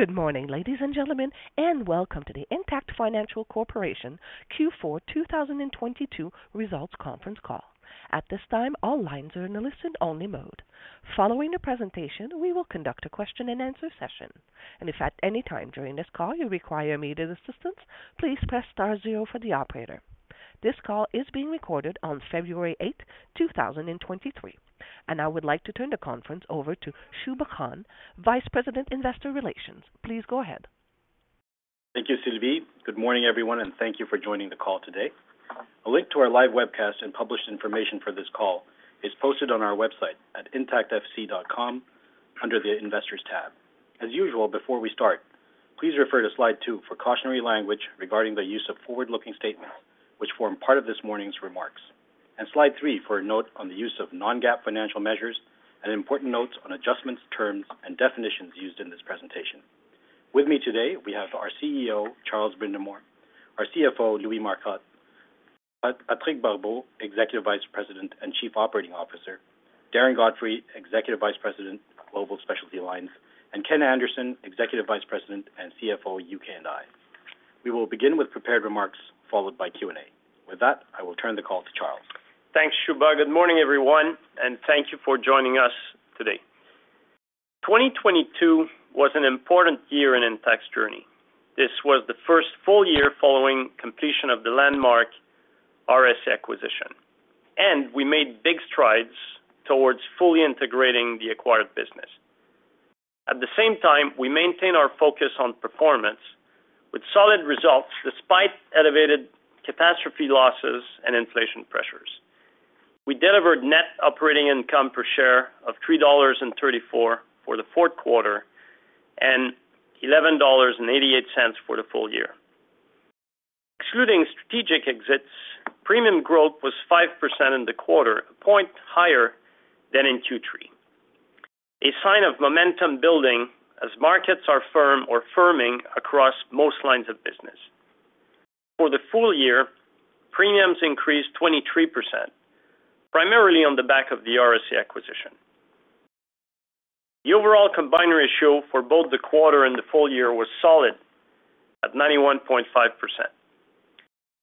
Good morning, ladies and gentlemen, and welcome to the Intact Financial Corporation Q4 2022 Results Conference Call. At this time, all lines are in a listen-only mode. Following the presentation, we will conduct a question-and-answer session. If at any time during this call you require immediate assistance, please press star zero for the operator. This call is being recorded on February 8, 2023. I would like to turn the conference over to Shubha Khan, Vice President, Investor Relations. Please go ahead. Thank you, Sylvie. Good morning, everyone, and thank you for joining the call today. A link to our live webcast and published information for this call is posted on our website at intactfc.com under the investors tab. As usual, before we start, please refer to slide two for cautionary language regarding the use of forward-looking statements, which form part of this morning's remarks, and slide three for a note on the use of non-GAAP financial measures and important notes on adjustments, terms, and definitions used in this presentation. With me today, we have our CEO, Charles Brindamour; our CFO, Louis Marcotte; Patrick Barbeau, Executive Vice President and Chief Operating Officer; Darren Godfrey, Executive Vice President, Global Specialty Lines; and Ken Anderson, Executive Vice President and CFO, U.K. and I. We will begin with prepared remarks followed by Q&A. With that, I will turn the call to Charles. Thanks, Shubha. Good morning, everyone, and thank you for joining us today. 2022 was an important year in Intact's journey. This was the first full year following completion of the landmark RSA acquisition, and we made big strides towards fully integrating the acquired business. At the same time, we maintained our focus on performance with solid results despite elevated catastrophe losses and inflation pressures. We delivered net operating income per share of 3.34 dollars for the fourth quarter and 11.88 dollars for the full year. Excluding strategic exits, premium growth was 5% in the quarter, a point higher than in Q3, a sign of momentum building as markets are firm or firming across most lines of business. For the full year, premiums increased 23%, primarily on the back of the RSA acquisition. The overall combined ratio for both the quarter and the full year was solid at 91.5%.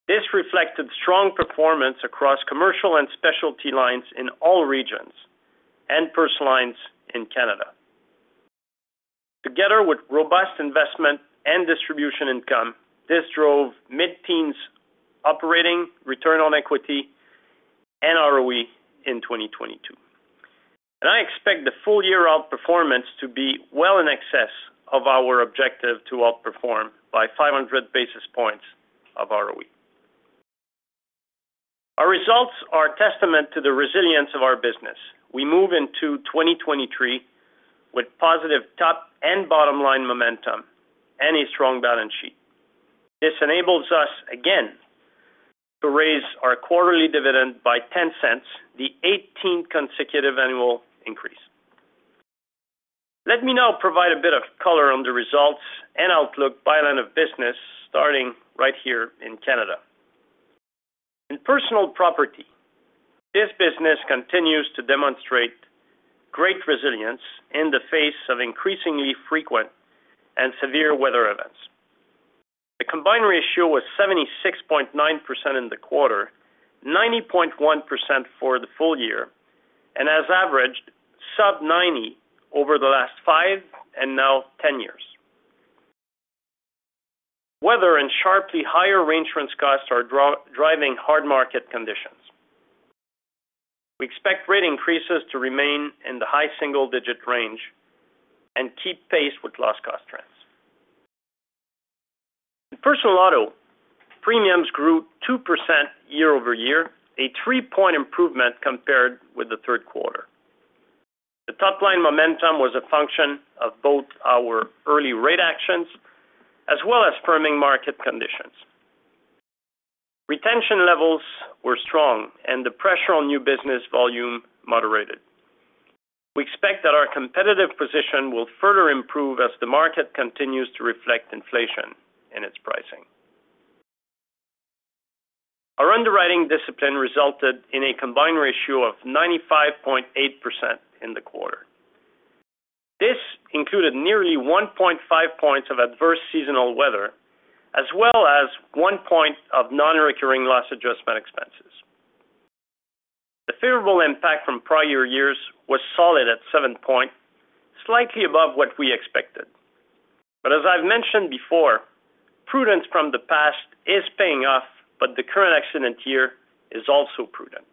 This reflected strong performance across commercial and specialty lines in all regions and personal lines in Canada. Together with robust investment and distribution income, this drove mid-teens operating return on equity and ROE in 2022. I expect the full year outperformance to be well in excess of our objective to outperform by 500 basis points of ROE. Our results are a testament to the resilience of our business. We move into 2023 with positive top and bottom-line momentum and a strong balance sheet. This enables us, again, to raise our quarterly dividend by 0.10, the 18th consecutive annual increase. Let me now provide a bit of color on the results and outlook by line of business, starting right here in Canada. In personal property, this business continues to demonstrate great resilience in the face of increasingly frequent and severe weather events. The combined ratio was 76.9% in the quarter, 90.1% for the full year, and has averaged sub-90 over the last five, and now 10 years. Weather and sharply higher reinsurance costs are driving hard market conditions. We expect rate increases to remain in the high single-digit range and keep pace with loss cost trends. In personal auto, premiums grew 2% year-over-year, a three-point improvement compared with the third quarter. The top-line momentum was a function of both our early rate actions as well as firming market conditions. Retention levels were strong and the pressure on new business volume moderated. We expect that our competitive position will further improve as the market continues to reflect inflation in its pricing. Our underwriting discipline resulted in a combined ratio of 95.8% in the quarter. This included nearly 1.5 points of adverse seasonal weather as well as one point of non-recurring loss adjustment expenses. The favorable impact from prior years was solid at seven points, slightly above what we expected. As I've mentioned before, prudence from the past is paying off, but the current accident year is also prudent.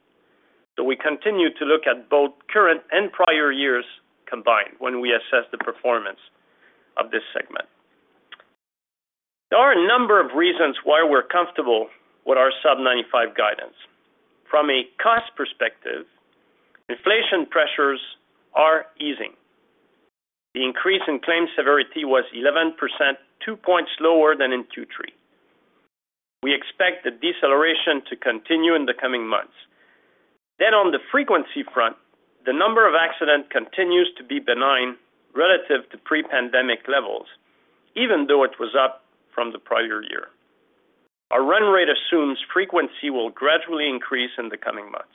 We continue to look at both current and prior years combined when we assess the performance of this segment. There are a number of reasons why we're comfortable with our sub-95 guidance. From a cost perspective, inflation pressures are easing. The increase in claim severity was 11%, two points lower than in Q3. We expect the deceleration to continue in the coming months. On the frequency front, the number of accidents continues to be benign relative to pre-pandemic levels, even though it was up from the prior year. Our run rate assumes frequency will gradually increase in the coming months.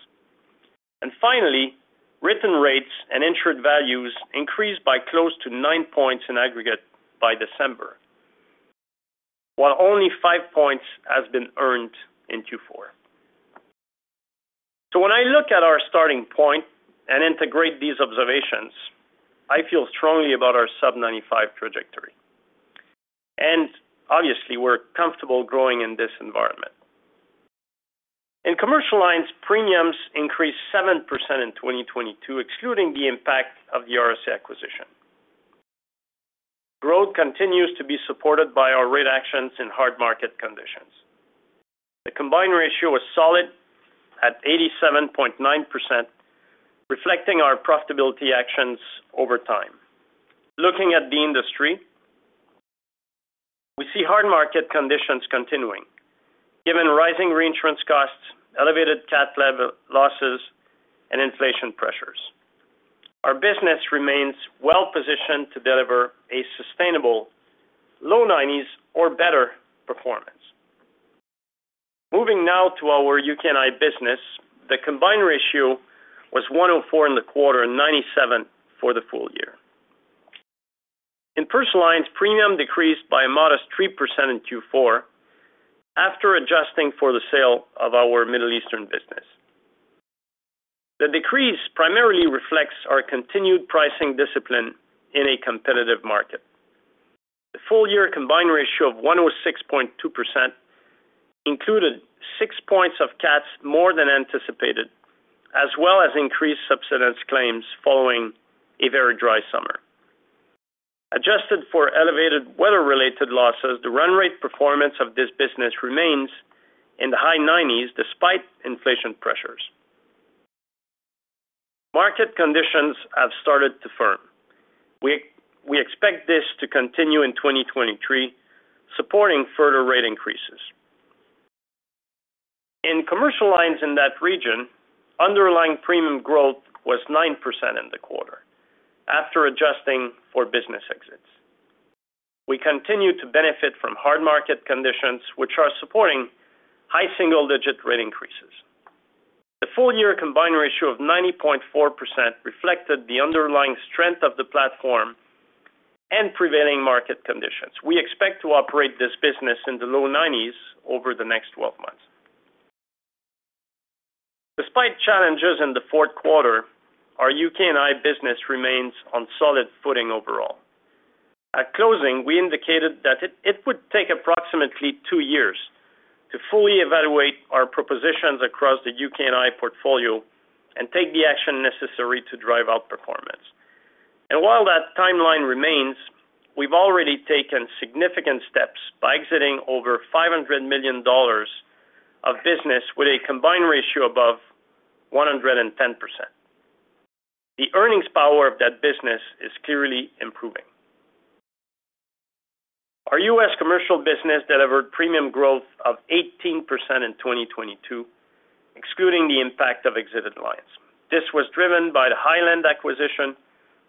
Finally, written rates and insured values increased by close to nine points in aggregate by December, while only five points has been earned in Q4. When I look at our starting point and integrate these observations, I feel strongly about our sub 95 trajectory. Obviously, we're comfortable growing in this environment. In commercial lines, premiums increased 7% in 2022, excluding the impact of the RSA acquisition. Growth continues to be supported by our rate actions in hard market conditions. The combined ratio was solid at 87.9%, reflecting our profitability actions over time. Looking at the industry, we see hard market conditions continuing given rising reinsurance costs, elevated cat level losses, and inflation pressures. Our business remains well-positioned to deliver a sustainable low 90s or better performance. Moving now to our U.K. and I business, the combined ratio was 104 in the quarter, and 97 for the full year. In personal lines, premium decreased by a modest 3% in Q4 after adjusting for the sale of our Middle Eastern business. The decrease primarily reflects our continued pricing discipline in a competitive market. The full year combined ratio of 106.2% included six points of cats more than anticipated, as well as increased subsidence claims following a very dry summer. Adjusted for elevated weather-related losses, the run rate performance of this business remains in the high 90s despite inflation pressures. Market conditions have started to firm. We expect this to continue in 2023, supporting further rate increases. In commercial lines in that region, underlying premium growth was 9% in the quarter after adjusting for business exits. We continue to benefit from hard market conditions, which are supporting high single-digit rate increases. The full year combined ratio of 90.4% reflected the underlying strength of the platform and prevailing market conditions. We expect to operate this business in the low nineties over the next 12 months. Despite challenges in the fourth quarter, our UK&I business remains on solid footing overall. At closing, we indicated that it would take approximately two years to fully evaluate our propositions across the UK&I portfolio and take the action necessary to drive out performance. While that timeline remains, we've already taken significant steps by exiting over $500 million of business with a combined ratio above 110%. The earnings power of that business is clearly improving. Our U.S. commercial business delivered premium growth of 18% in 2022, excluding the impact of exited lines. This was driven by the Highland acquisition,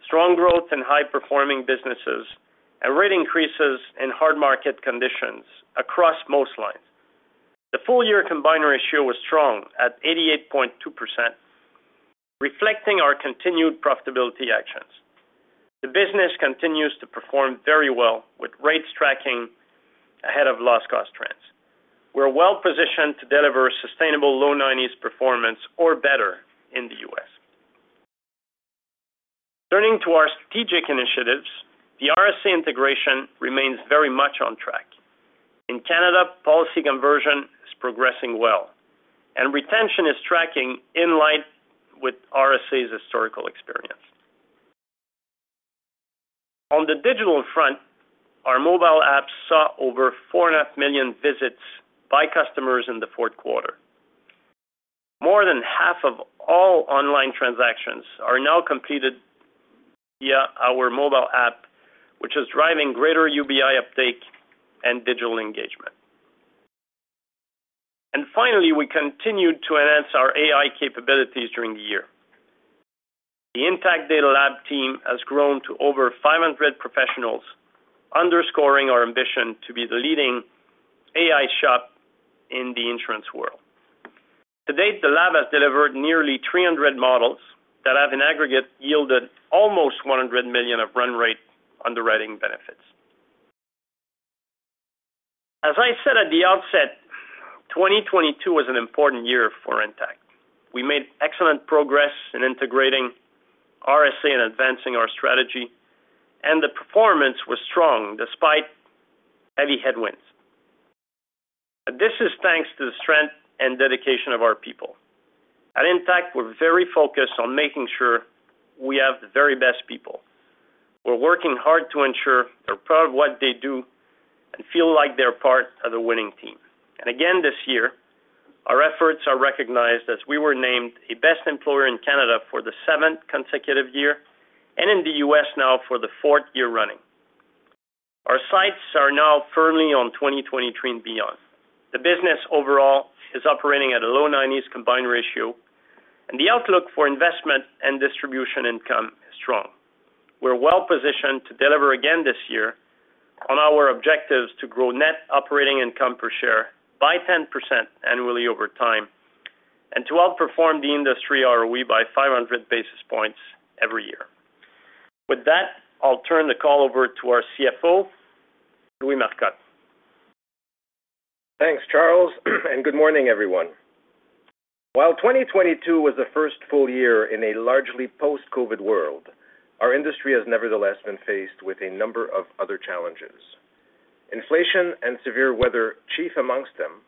strong growth in high-performing businesses, and rate increases in hard market conditions across most lines. The full year combined ratio was strong at 88.2%, reflecting our continued profitability actions. The business continues to perform very well with rates tracking ahead of loss cost trends. We're well-positioned to deliver sustainable low 90s performance or better in the U.S. Turning to our strategic initiatives, the RSA integration remains very much on track. In Canada, policy conversion is progressing well, and retention is tracking in line with RSA's historical experience. On the digital front, our mobile app saw over 4.5 million visits by customers in the fourth quarter. More than half of all online transactions are now completed via our mobile app, which is driving greater UBI uptake and digital engagement. Finally, we continued to enhance our AI capabilities during the year. The Intact Data Lab team has grown to over 500 professionals, underscoring our ambition to be the leading AI shop in the insurance world. To date, the lab has delivered nearly 300 models that have, in aggregate, yielded almost 100 million of run rate underwriting benefits. As I said at the outset, 2022 was an important year for Intact. We made excellent progress in integrating RSA and advancing our strategy. The performance was strong despite heavy headwinds. This is thanks to the strength and dedication of our people. At Intact, we're very focused on making sure we have the very best people. We're working hard to ensure they're proud of what they do and feel like they're part of the winning team. Again, this year, our efforts are recognized as we were named a best employer in Canada for the seventh consecutive year and in the U.S. now for the fourth year running. Our sites are now firmly on 2023 and beyond. The business overall is operating at a low 90s combined ratio, and the outlook for investment and distribution income is strong. We're well-positioned to deliver again this year on our objectives to grow net operating income per share by 10% annually over time and to outperform the industry ROE by 500 basis points every year. With that, I'll turn the call over to our CFO, Louis Marcotte. Thanks, Charles. Good morning, everyone. While 2022 was the first full year in a largely post-COVID world, our industry has nevertheless been faced with a number of other challenges. Inflation and severe weather chief amongst them,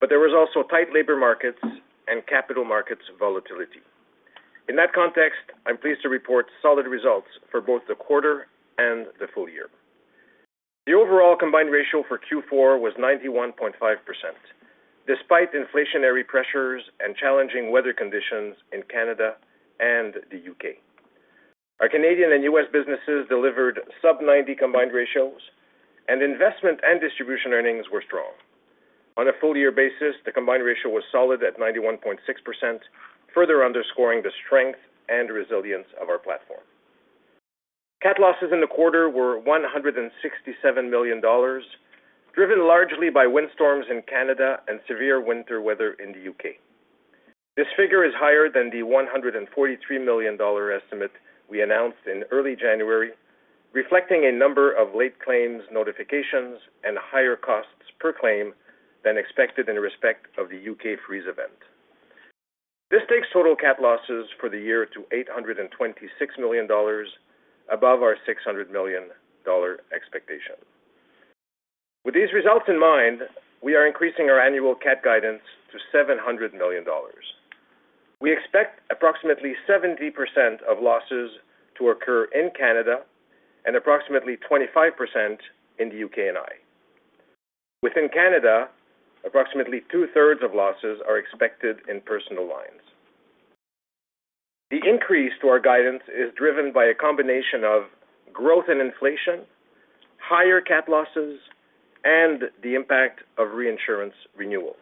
but there was also tight labor markets and capital markets volatility. In that context, I'm pleased to report solid results for both the quarter and the full year. The overall combined ratio for Q4 was 91.5%, despite inflationary pressures and challenging weather conditions in Canada and the U.K. Our Canadian and U.S. businesses delivered sub-90 combined ratios and investment and distribution earnings were strong. On a full year basis, the combined ratio was solid at 91.6%, further underscoring the strength and resilience of our platform. Cat losses in the quarter were 167 million dollars, driven largely by windstorms in Canada and severe winter weather in the U.K. This figure is higher than the 143 million dollar estimate we announced in early January, reflecting a number of late claims notifications and higher costs per claim than expected in respect of the U.K. freeze event. This takes total cat losses for the year to 826 million dollars above our 600 million dollar expectation. These results in mind, we are increasing our annual cat guidance to 700 million dollars. We expect approximately 70% of losses to occur in Canada and approximately 25% in the UK&I. Within Canada, approximately 2/3 of losses are expected in personal lines. The increase to our guidance is driven by a combination of growth and inflation, higher cat losses, and the impact of reinsurance renewals.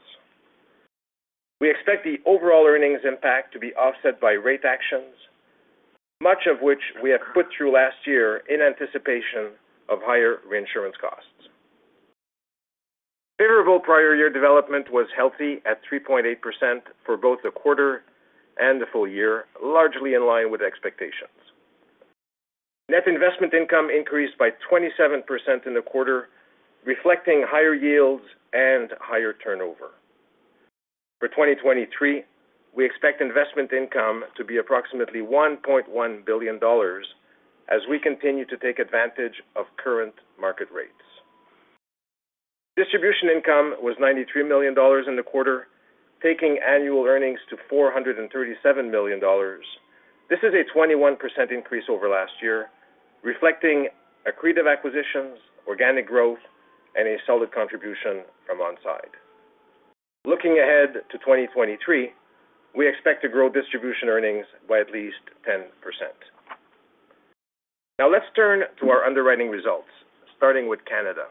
We expect the overall earnings impact to be offset by rate actions, much of which we have put through last year in anticipation of higher reinsurance costs. Favorable prior year development was healthy at 3.8% for both the quarter and the full year, largely in line with expectations. Net investment income increased by 27% in the quarter, reflecting higher yields and higher turnover. For 2023, we expect investment income to be approximately 1.1 billion dollars as we continue to take advantage of current market rates. Distribution income was 93 million dollars in the quarter, taking annual earnings to 437 million dollars. This is a 21 increase over last year, reflecting accretive acquisitions, organic growth, and a solid contribution from On Side. Looking ahead to 2023, we expect to grow distribution earnings by at least 10%. Let's turn to our underwriting results, starting with Canada.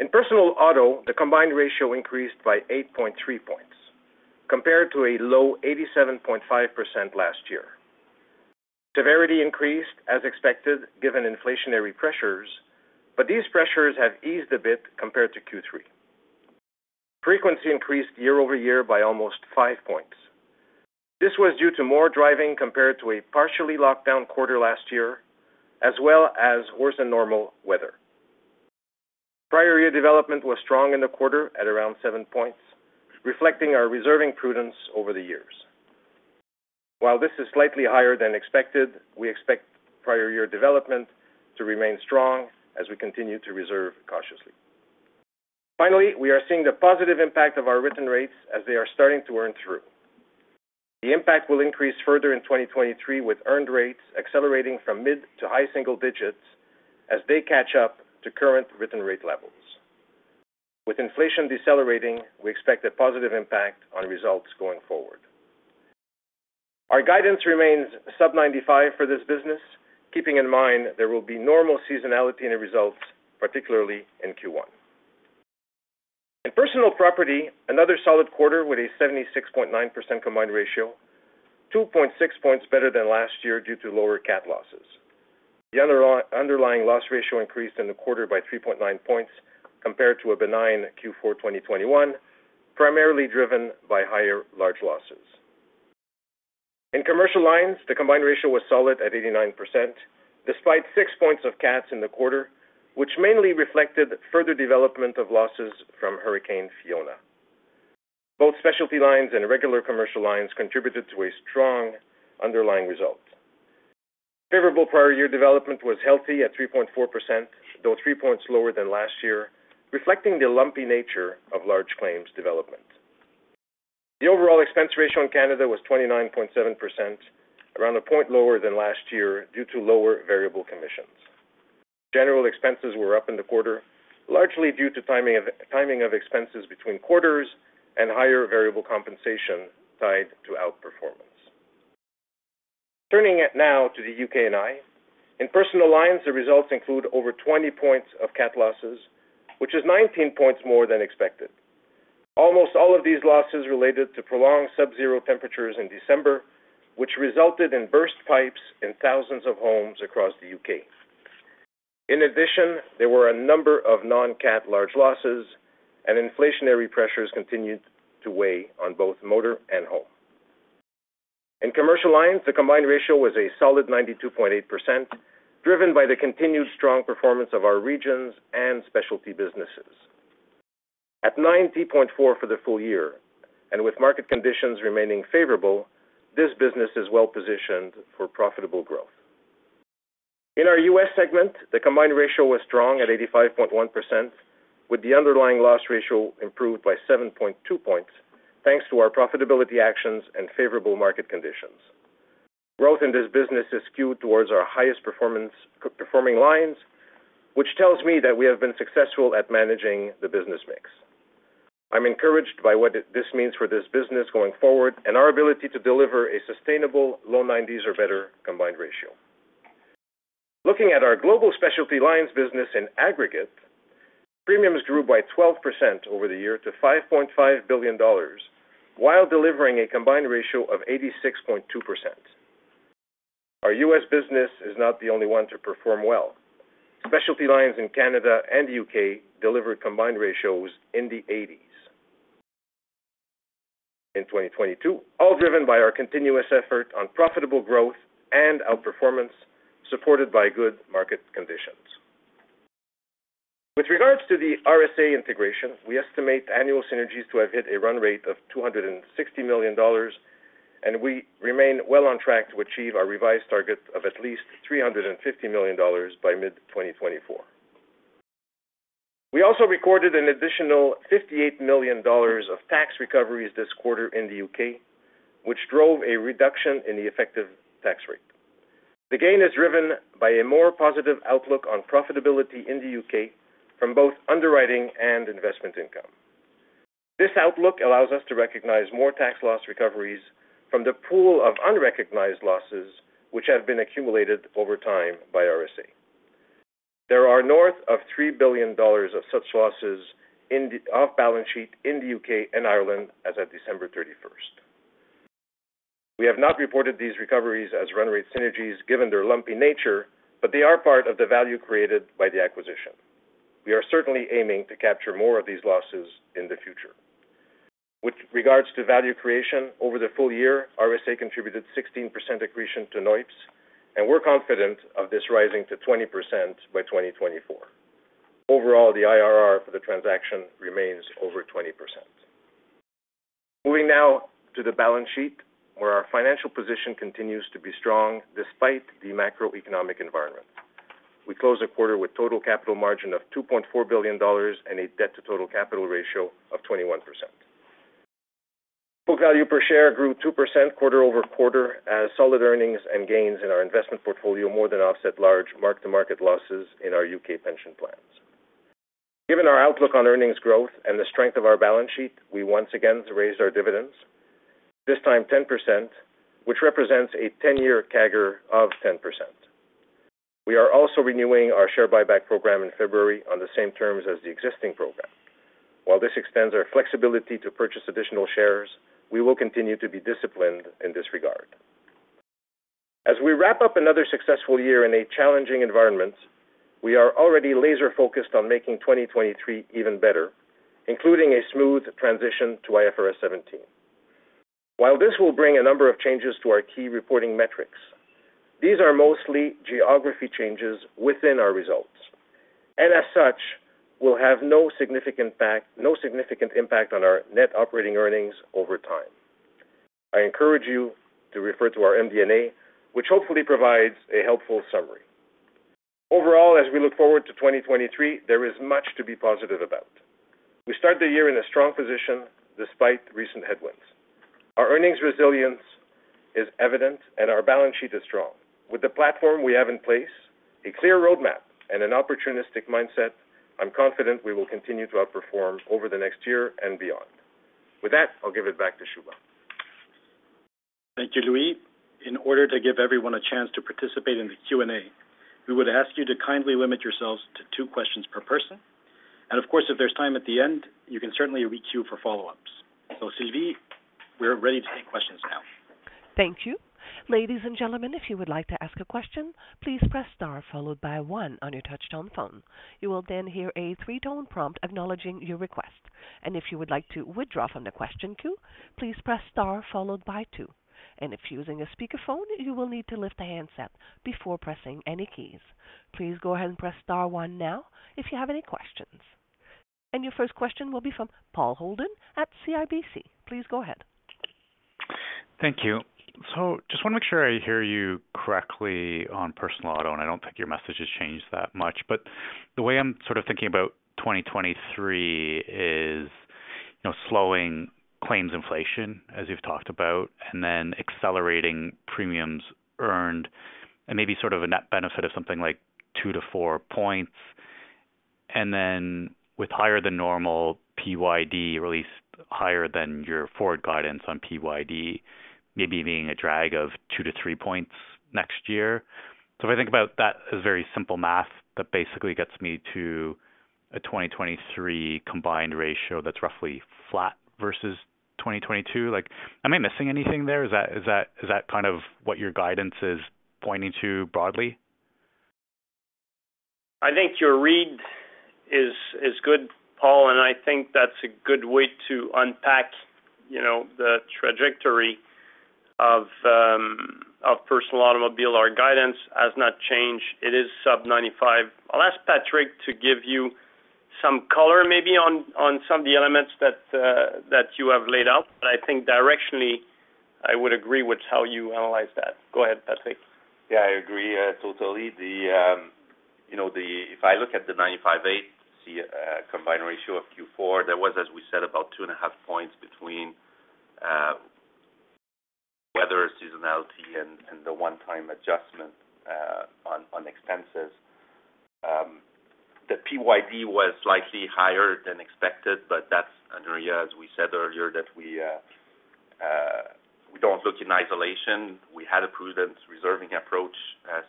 In personal auto, the combined ratio increased by 8.3 points compared to a low 87.5% last year. Severity increased as expected, given inflationary pressures, these pressures have eased a bit compared to Q3. Frequency increased year-over-year by almost five points. This was due to more driving compared to a partially locked down quarter last year, as well as worse than normal weather. Prior year development was strong in the quarter at around seven points, reflecting our reserving prudence over the years. While this is slightly higher than expected, we expect prior year development to remain strong as we continue to reserve cautiously. We are seeing the positive impact of our written rates as they are starting to earn through. The impact will increase further in 2023, with earned rates accelerating from mid to high single digits as they catch up to current written rate levels. With inflation decelerating, we expect a positive impact on results going forward. Our guidance remains sub-95% for this business. Keeping in mind there will be normal seasonality in the results, particularly in Q1. Personal property, another solid quarter with a 76.9% combined ratio, 2.6 points better than last year due to lower cat losses. The underlying loss ratio increased in the quarter by 3.9 points compared to a benign Q4 2021, primarily driven by higher large losses. In commercial lines, the combined ratio was solid at 89%, despite six points of cats in the quarter, which mainly reflected further development of losses from Hurricane Fiona. Both specialty lines and regular commercial lines contributed to a strong underlying result. Favorable prior year development was healthy at 3.4%, though three points lower than last year, reflecting the lumpy nature of large claims development. The overall expense ratio in Canada was 29.7%, around one point lower than last year due to lower variable commissions. General expenses were up in the quarter, largely due to timing of expenses between quarters and higher variable compensation tied to outperformance. Turning it now to the UK&I. In personal lines, the results include over 20 points of cat losses, which is 19 points more than expected. Almost all of these losses related to prolonged subzero temperatures in December, which resulted in burst pipes in thousands of homes across the U.K. In addition, there were a number of non-cat large losses and inflationary pressures continued to weigh on both motor and home. In commercial lines, the combined ratio was a solid 92.8%, driven by the continued strong performance of our regions and specialty businesses. At 90.4% for the full year and with market conditions remaining favorable, this business is well positioned for profitable growth. In our U.S. segment, the combined ratio was strong at 85.1%, with the underlying loss ratio improved by 7.2 points, thanks to our profitability actions and favorable market conditions. Growth in this business is skewed towards our highest performing lines, which tells me that we have been successful at managing the business mix. I'm encouraged by what this means for this business going forward and our ability to deliver a sustainable low 90s or better combined ratio. Looking at our Global Specialty Lines business in aggregate, premiums grew by 12% over the year to 5.5 billion dollars, while delivering a combined ratio of 86.2%. Our U.S. business is not the only one to perform well. Specialty lines in Canada and the U.K. delivered combined ratios in the 80s in 2022, all driven by our continuous effort on profitable growth and outperformance, supported by good market conditions. With regards to the RSA integration, we estimate annual synergies to have hit a run rate of GBP 260 million. We remain well on track to achieve our revised target of at least GBP 350 million by mid-2024. We also recorded an additional GBP 58 million of tax recoveries this quarter in the U.K., which drove a reduction in the effective tax rate. The gain is driven by a more positive outlook on profitability in the U.K. from both underwriting and investment income. This outlook allows us to recognize more tax loss recoveries from the pool of unrecognized losses which have been accumulated over time by RSA. There are north of GBP 3 billion of such losses off balance sheet in the U.K. and Ireland as of December 31st. We have not reported these recoveries as run rate synergies given their lumpy nature, but they are part of the value created by the acquisition. We are certainly aiming to capture more of these losses in the future. With regards to value creation over the full year, RSA contributed 16% accretion to NOIPS, and we're confident of this rising to 20% by 2024. Overall, the IRR for the transaction remains over 20%. Moving now to the balance sheet, where our financial position continues to be strong despite the macroeconomic environment. We close the quarter with total capital margin of 2.4 billion dollars and a debt to total capital ratio of 21%. Book value per share grew 2% quarter-over-quarter as solid earnings and gains in our investment portfolio more than offset large mark-to-market losses in our U.K. pension plans. Given our outlook on earnings growth and the strength of our balance sheet, we once again raised our dividends, this time 10%, which represents a 10-year CAGR of 10%. We are also renewing our share buyback program in February on the same terms as the existing program. While this extends our flexibility to purchase additional shares, we will continue to be disciplined in this regard. As we wrap up another successful year in a challenging environment, we are already laser focused on making 2023 even better, including a smooth transition to IFRS 17. While this will bring a number of changes to our key reporting metrics, these are mostly geography changes within our results, and as such will have no significant impact on our net operating earnings over time. I encourage you to refer to our MD&A, which hopefully provides a helpful summary. Overall, as we look forward to 2023, there is much to be positive about. We start the year in a strong position despite recent headwinds. Our earnings resilience is evident and our balance sheet is strong. With the platform we have in place, a clear roadmap and an opportunistic mindset, I'm confident we will continue to outperform over the next year and beyond. With that, I'll give it back to Shubha. Thank you, Louis. In order to give everyone a chance to participate in the Q&A, we would ask you to kindly limit yourselves to two questions per person. Of course, if there's time at the end, you can certainly queue for follow-ups. Sylvie, we're ready to take questions now. Thank you. Ladies and gentlemen, if you would like to ask a question, please press star followed by one on your touchtone phone. You will then hear a three-tone prompt acknowledging your request. If you would like to withdraw from the question queue, please press star followed by two. If using a speakerphone, you will need to lift the handset before pressing any keys. Please go ahead and press star one now if you have any questions. Your first question will be from Paul Holden at CIBC. Please go ahead. Thank you. Just want to make sure I hear you correctly on personal auto, I don't think your message has changed that much. The way I'm sort of thinking about 2023 is, you know, slowing claims inflation, as you've talked about, then accelerating premiums earned and maybe sort of a net benefit of something like two to four points. Then with higher than normal PYD, or at least higher than your forward guidance on PYD, maybe being a drag of two to three points next year. If I think about that as very simple math, that basically gets me to a 2023 combined ratio that's roughly flat versus 2022. Like, am I missing anything there? Is that kind of what your guidance is pointing to broadly? I think your read is good, Paul, and I think that's a good way to unpack, you know, the trajectory of personal automobile. Our guidance has not changed. It is sub 95%. I'll ask Patrick to give you some color maybe on some of the elements that you have laid out. I think directionally, I would agree with how you analyze that. Go ahead, Patrick. Yeah, I agree, totally. The, you know, if I look at the 95.8, see a combined ratio of Q4, there was, as we said, about 2.5 points between weather seasonality and the one-time adjustment on expenses. The PYD was slightly higher than expected, but that's an area, as we said earlier, that we don't look in isolation. We had a prudence reserving approach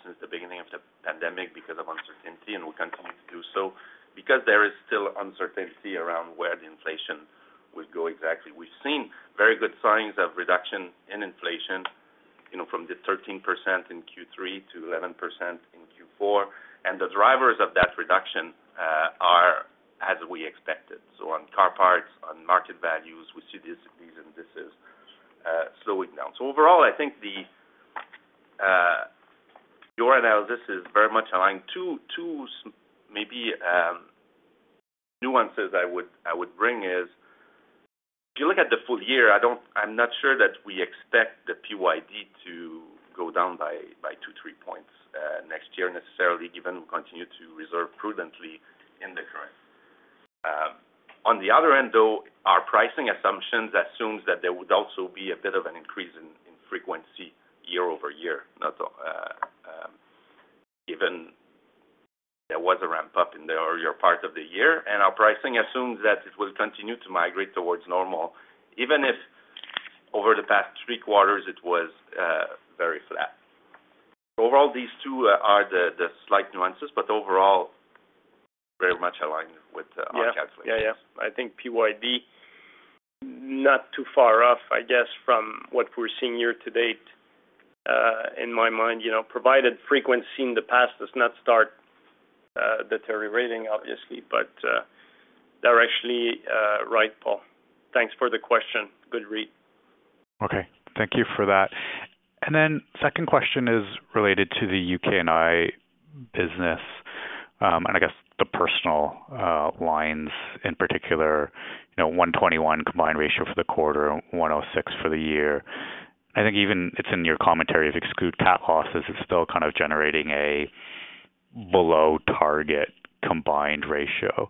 since the beginning of the pandemic because of uncertainty, and we continue to do so because there is still uncertainty around where the inflation will go exactly. We've seen very good signs of reduction in inflation, you know, from the 13% in Q3 to 11% in Q4. The drivers of that reduction are as we expected. On car parts, on market values, we see these, and this is slowing down. Overall, I think the your analysis is very much aligned. Two maybe nuances I would bring is, if you look at the full year, I'm not sure that we expect the PYD to go down by two, three points next year necessarily, given we continue to reserve prudently in the current. On the other end, though, our pricing assumptions assumes that there would also be a bit of an increase in frequency year-over-year. Not given there was a ramp up in the earlier part of the year. Our pricing assumes that it will continue to migrate towards normal, even if over the past three quarters it was very flat. Overall, these two are the slight nuances, but overall very much aligned with our calculations. Yeah. Yeah, yeah. I think PYD not too far off, I guess, from what we're seeing year to date, in my mind, you know, provided frequency in the past does not start, the territory rating, obviously, but, directionally, right, Paul. Thanks for the question. Good read. Okay. Thank you for that. Second question is related to the UK&I business, and I guess the personal lines in particular, you know, 121% combined ratio for the quarter, 106% for the year. I think even it's in your commentary of exclude cat losses is still kind of generating a below target combined ratio.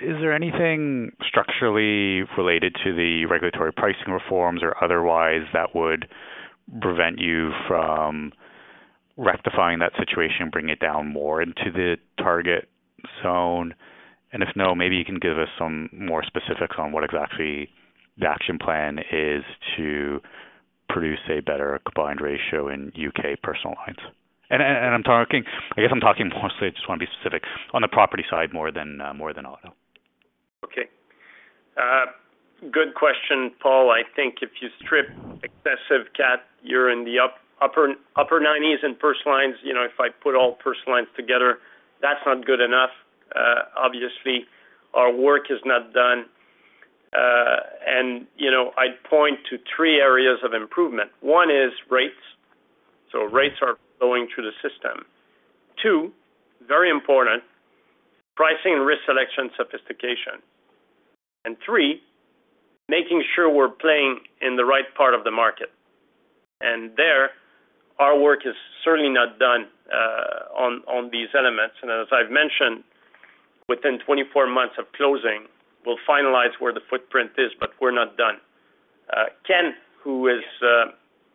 Is there anything structurally related to the regulatory pricing reforms or otherwise that would prevent you from rectifying that situation, bring it down more into the target zone? If no, maybe you can give us some more specifics on what exactly the action plan is to produce a better combined ratio in U.K. personal lines. I'm talking, I guess I'm talking mostly, I just want to be specific on the property side more than more than auto. Okay. Good question, Paul. I think if you strip excessive cat, you're in the upper 90s in first lines. You know, if I put all first lines together, that's not good enough. Obviously our work is not done. You know, I'd point to three areas of improvement. One is rates. Rates are going through the system. Two, very important, pricing and risk selection sophistication. Three, making sure we're playing in the right part of the market. There, our work is certainly not done on these elements. As I've mentioned, within 24 months of closing, we'll finalize where the footprint is, but we're not done. Ken, who is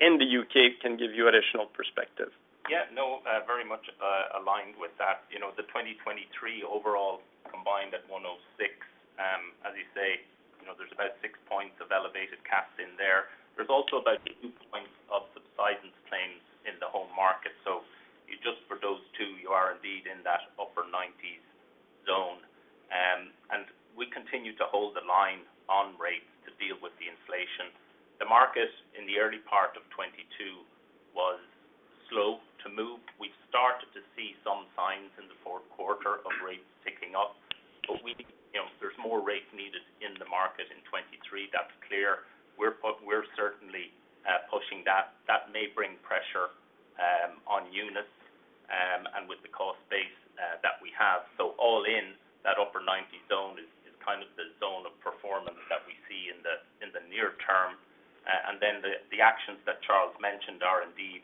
in the U.K., can give you additional perspective. Yeah, no, very much aligned with that. You know, the 2023 overall combined at 106, as you say, you know, there's about six points of elevated cat in there. There's also about two points of subsidence claims in the home market. Just for those two, you are indeed in that upper nineties zone. We continue to hold the line on rates to deal with the inflation. The market in the early part of 2022 was slow to move. We started to see some signs in the fourth quarter of rates ticking up, but we think there's more rates needed in the market in 2023. That's clear. We're certainly pushing that. That may bring pressure on units, and with the cost base that we have. All in that upper 90s zone is kind of the zone of performance that we see in the, in the near term. The actions that Charles mentioned are indeed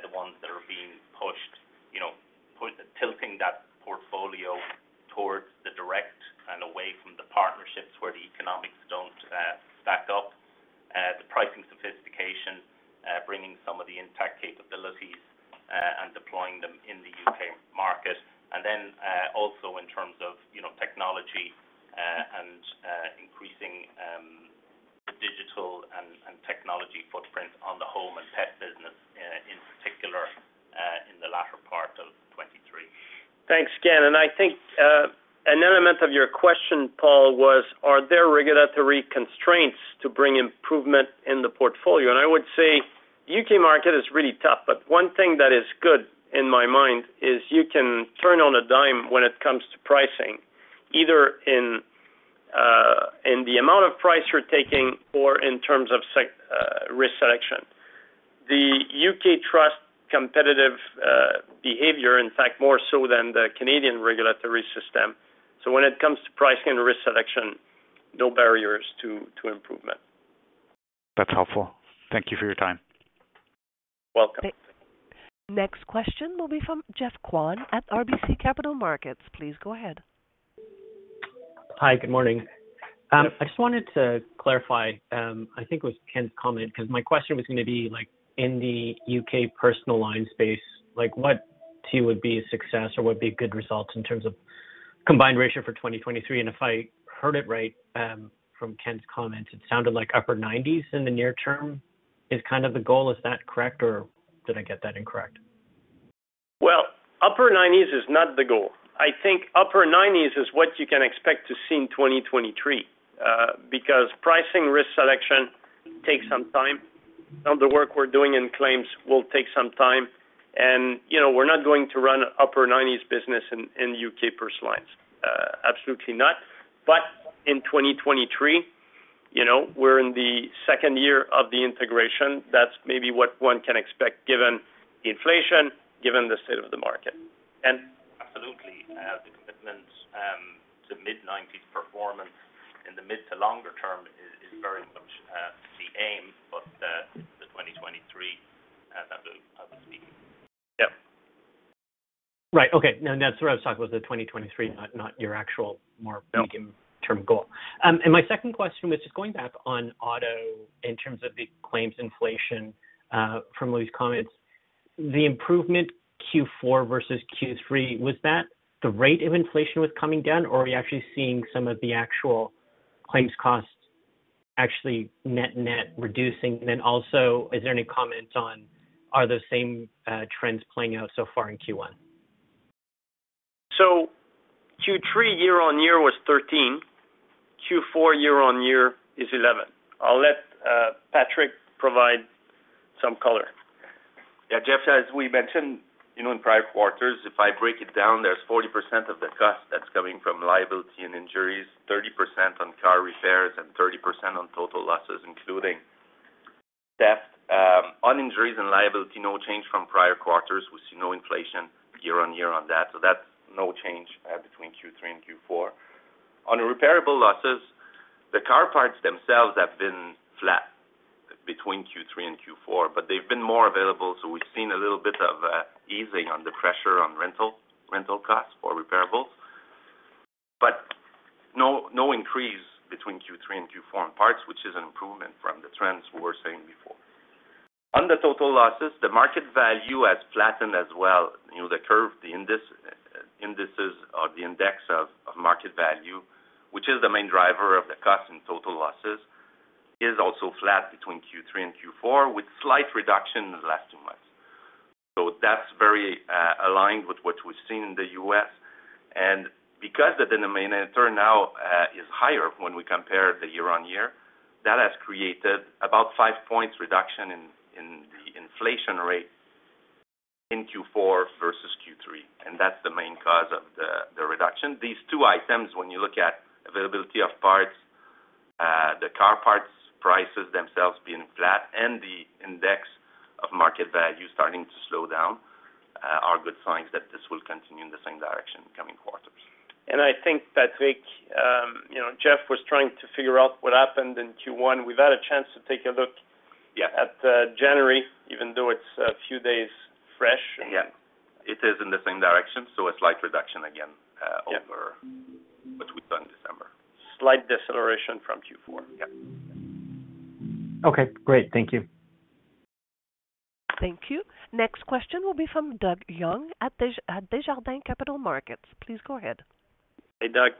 the ones that are being pushed, you know, tilting that portfolio towards the direct and away from the partnerships where the economics don't stack up. The pricing sophistication, bringing some of the Intact capabilities, and deploying them in the U.K. market. Also in terms of, you know, technology footprint on the home and pet business, in particular, in the latter part of 2023. Thanks again. I think, an element of your question, Paul, was are there regulatory constraints to bring improvement in the portfolio? I would say U.K. market is really tough, but one thing that is good in my mind is you can turn on a dime when it comes to pricing, either in the amount of price you're taking or in terms of risk selection. The U.K. trusts competitive behavior, in fact, more so than the Canadian regulatory system. When it comes to pricing and risk selection, no barriers to improvement. That's helpful. Thank you for your time. Welcome. Next question will be from Geoff Kwan at RBC Capital Markets. Please go ahead. Hi. Good morning. I just wanted to clarify, I think it was Ken's comment, because my question was gonna be like in the U.K. personal line space, like, what to you would be a success or would be good results in terms of combined ratio for 2023? If I heard it right, from Ken's comments, it sounded like upper 90s in the near term is kind of the goal. Is that correct, or did I get that incorrect? Well, upper nineties is not the goal. I think upper 90s is what you can expect to see in 2023, because pricing risk selection takes some time. Some of the work we're doing in claims will take some time. you know, we're not going to run upper nineties business in U.K. personal lines. absolutely not. in 2023, you know, we're in the second year of the integration. That's maybe what one can expect given inflation, given the state of the market. Absolutely, the commitment to mid-90s performance in the mid to longer term is very much the aim, but the 2023 that will. Yeah. Right. Okay. That's what I was talking about, the 2023, not your actual more medium-term goal. My second question was just going back on auto in terms of the claims inflation from Louis' comments. The improvement Q4 versus Q3, was that the rate of inflation was coming down, or are we actually seeing some of the actual claims costs actually net-net reducing? Also is there any comments on are those same trends playing out so far in Q1? Q3 year-over-year was 13%. Q4 year-over-year is 11%. I'll let Patrick provide some color. Yeah. Jeff, as we mentioned, you know, in prior quarters, if I break it down, there's 40% of the cost that's coming from liability and injuries, 30% on car repairs, and 30% on total losses, including death. On injuries and liability, no change from prior quarters. We see no inflation year-over-year on that. That's no change between Q3 and Q4. On repairable losses, the car parts themselves have been flat between Q3 and Q4, but they've been more available, so we've seen a little bit of easing on the pressure on rental costs for repairable. No, no increase between Q3 and Q4 on parts, which is an improvement from the trends we were saying before. On the total losses, the market value has flattened as well. You know, the curve, the indices or the index of market value, which is the main driver of the cost in total losses, is also flat between Q3 and Q4, with slight reduction in the last two months. That's very aligned with what we've seen in the U.S. Because the denominator now is higher when we compare the year on year, that has created about five points reduction in the inflation rate in Q4 versus Q3, and that's the main cause of the reduction. These two items, when you look at availability of parts, the car parts prices themselves being flat and the index of market value starting to slow down, are good signs that this will continue in the same direction coming quarters. I think, Patrick, you know, Geoff was trying to figure out what happened in Q1. We've had a chance to take a look Yeah. -at, January, even though it's a few days fresh. Yeah. It is in the same direction, a slight reduction again. Yeah. Qver what we've done December. Slight deceleration from Q4. Yeah. Okay, great. Thank you. Thank you. Next question will be from Doug Young at Desjardins Capital Markets. Please go ahead. Hey, Doug.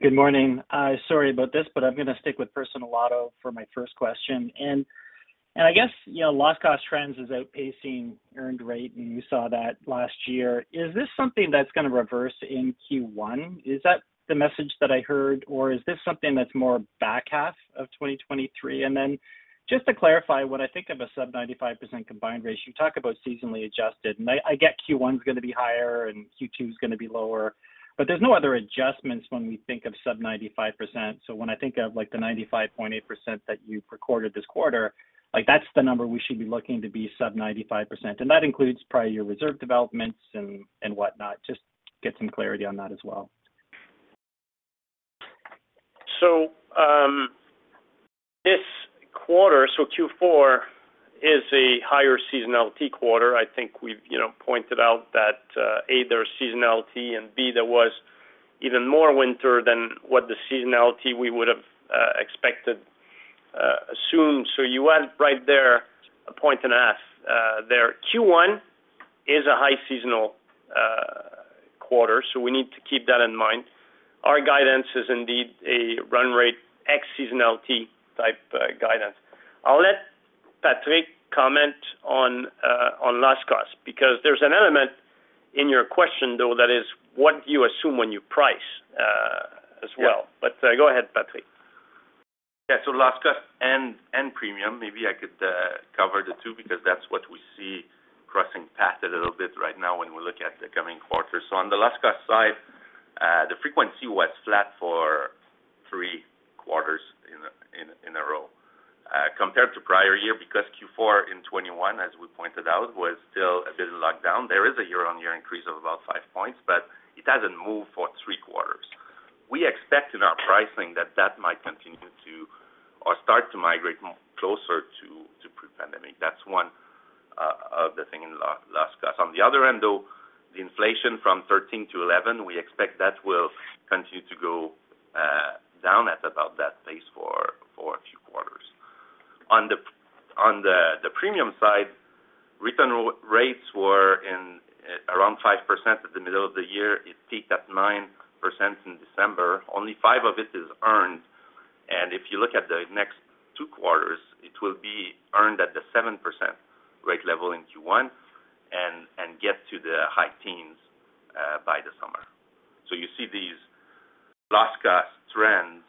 Good morning. Sorry about this, but I'm gonna stick with personal auto for my first question. I guess, you know, loss cost trends is outpacing earned rate, and you saw that last year. Is this something that's gonna reverse in Q1? Is that the message that I heard, or is this something that's more back half of 2023? Just to clarify, when I think of a sub 95% combined ratio, you talk about seasonally adjusted. I get Q1 is gonna be higher and Q2 is gonna be lower, but there's no other adjustments when we think of sub 95%. When I think of like the 95.8% that you've recorded this quarter, like that's the number we should be looking to be sub 95%. That includes probably your reserve developments and whatnot. Just get some clarity on that as well. This quarter, Q4, is a higher seasonality quarter. I think we've, you know, pointed out that A, there's seasonality, and B, there was even more winter than what the seasonality we would have expected, assumed. You are right there appointing us there. Q1 is a high seasonal quarter. We need to keep that in mind. Our guidance is indeed a run rate ex-seasonality type guidance. I'll let Patrick comment on last cost, because there's an element in your question though that is what you assume when you price as well. Yeah. Go ahead, Patrick. Yeah. Last cost and premium, maybe I could cover the two because that's what we see crossing paths a little bit right now when we look at the coming quarters. On the last cost side, the frequency was flat for three quarters in a row. Compared to prior year, because Q4 in 2021, as we pointed out, was still a bit of lockdown. There is a year-on-year increase of about five points, but it hasn't moved for three quarters. We expect in our pricing that that might continue to or start to migrate closer to pre-pandemic. That's one of the thing in last cost. On the other end, though, the inflation from 13-11, we expect that will continue to go down at about that pace for a few quarters. On the premium side, return rates were in, around 5% at the middle of the year. It peaked at 9% in December. Only five of it is earned, and if you look at the next two quarters, it will be earned at the 7% rate level in Q1 and get to the high teens by the summer. You see these last cost trends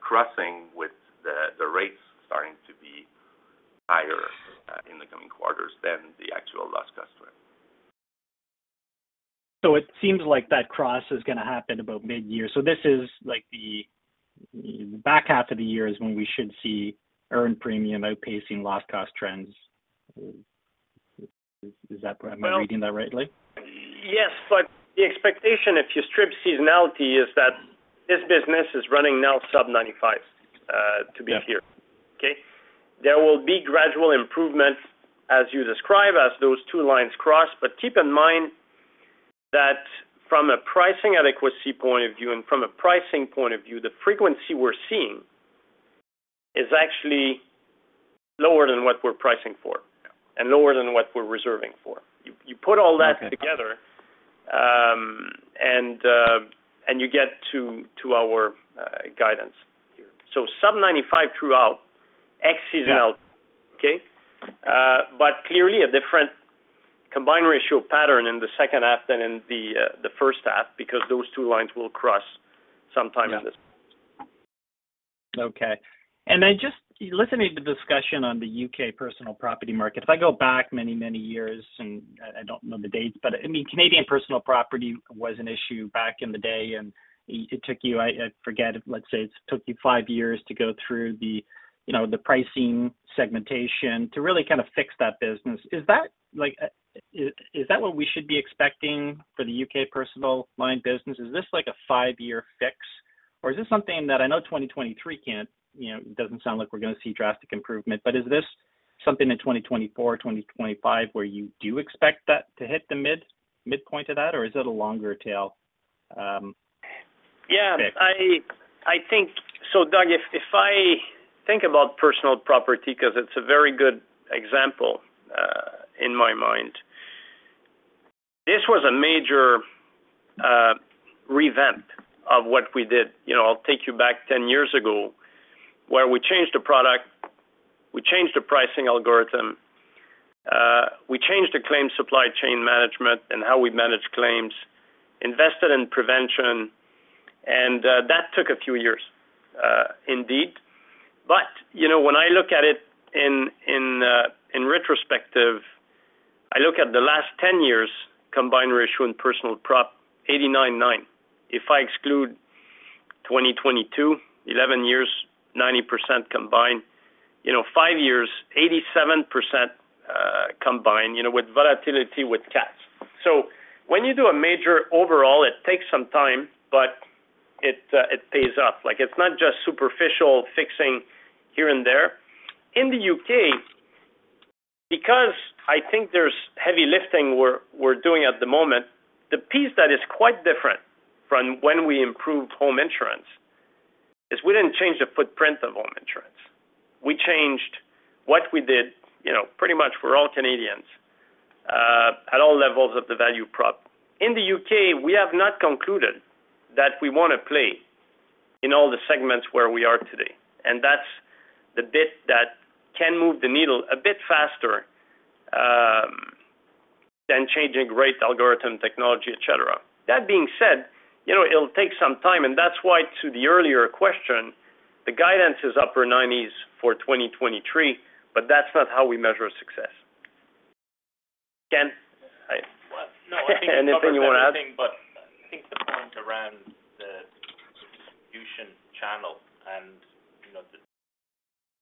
crossing with the rates starting to be higher in the coming quarters than the actual last cost trend. It seems like that cross is gonna happen about mid-year. This is like the back half of the year is when we should see earned premium outpacing last cost trends. Is that right? Am I reading that rightly? Yes. The expectation if you strip seasonality is that this business is running now sub-95%, to be clear. Yeah. Okay? There will be gradual improvement as you describe as those two lines cross, but keep in mind that from a pricing adequacy point of view and from a pricing point of view, the frequency we're seeing is actually lower than what we're pricing for. Yeah. Lower than what we're reserving for. You put all that together. Okay And you get to our guidance. Sub-95 throughout, ex-seasonality. Yeah. Okay? Clearly a different combined ratio pattern in the second half than in the first half because those two lines will cross sometime in this. Yeah. Okay. Just listening to discussion on the U.K. personal property market, if I go back many, many years and I don't know the dates, but I mean, Canadian personal property was an issue back in the day, and it took you, I forget, let's say it took you five years to go through the, you know, the pricing segmentation to really kind of fix that business. Is that like, is that what we should be expecting for the U.K. personal line business? Is this like a five-year fix, or is this something that I know 2023 can't, you know, doesn't sound like we're gonna see drastic improvement, but is this something in 2024, 2025, where you do expect that to hit the midpoint of that, or is it a longer tail fix? Yeah. I think Doug, if I think about personal property because it's a very good example, in my mind, this was a major revamp of what we did. You know, I'll take you back 10 years ago, where we changed the product, we changed the pricing algorithm, we changed the claim supply chain management and how we manage claims, invested in prevention, and that took a few years, indeed. You know, when I look at it in retrospective, I look at the last 10 years combined ratio in personal prop 89.9. If I exclude 2022, 11 years, 90% combined. You know, five years, 87% combined, you know, with volatility with cats. When you do a major overall, it takes some time, but it pays off. Like it's not just superficial fixing here and there. In the U.K., because I think there's heavy lifting we're doing at the moment, the piece that is quite different from when we improved home insurance is we didn't change the footprint of home insurance. We changed what we did, you know, pretty much for all Canadians, at all levels of the value prop. In the U.K., we have not concluded that we wanna play in all the segments where we are today. That's the bit that can move the needle a bit faster than changing rate algorithm technology, et cetera. That being said, you know, it'll take some time, and that's why to the earlier question, the guidance is upper nineties for 2023. That's not how we measure success. Ken. Well, no, I think you covered everything. Anything you wanna add? I think the point around the distribution channel and, you know...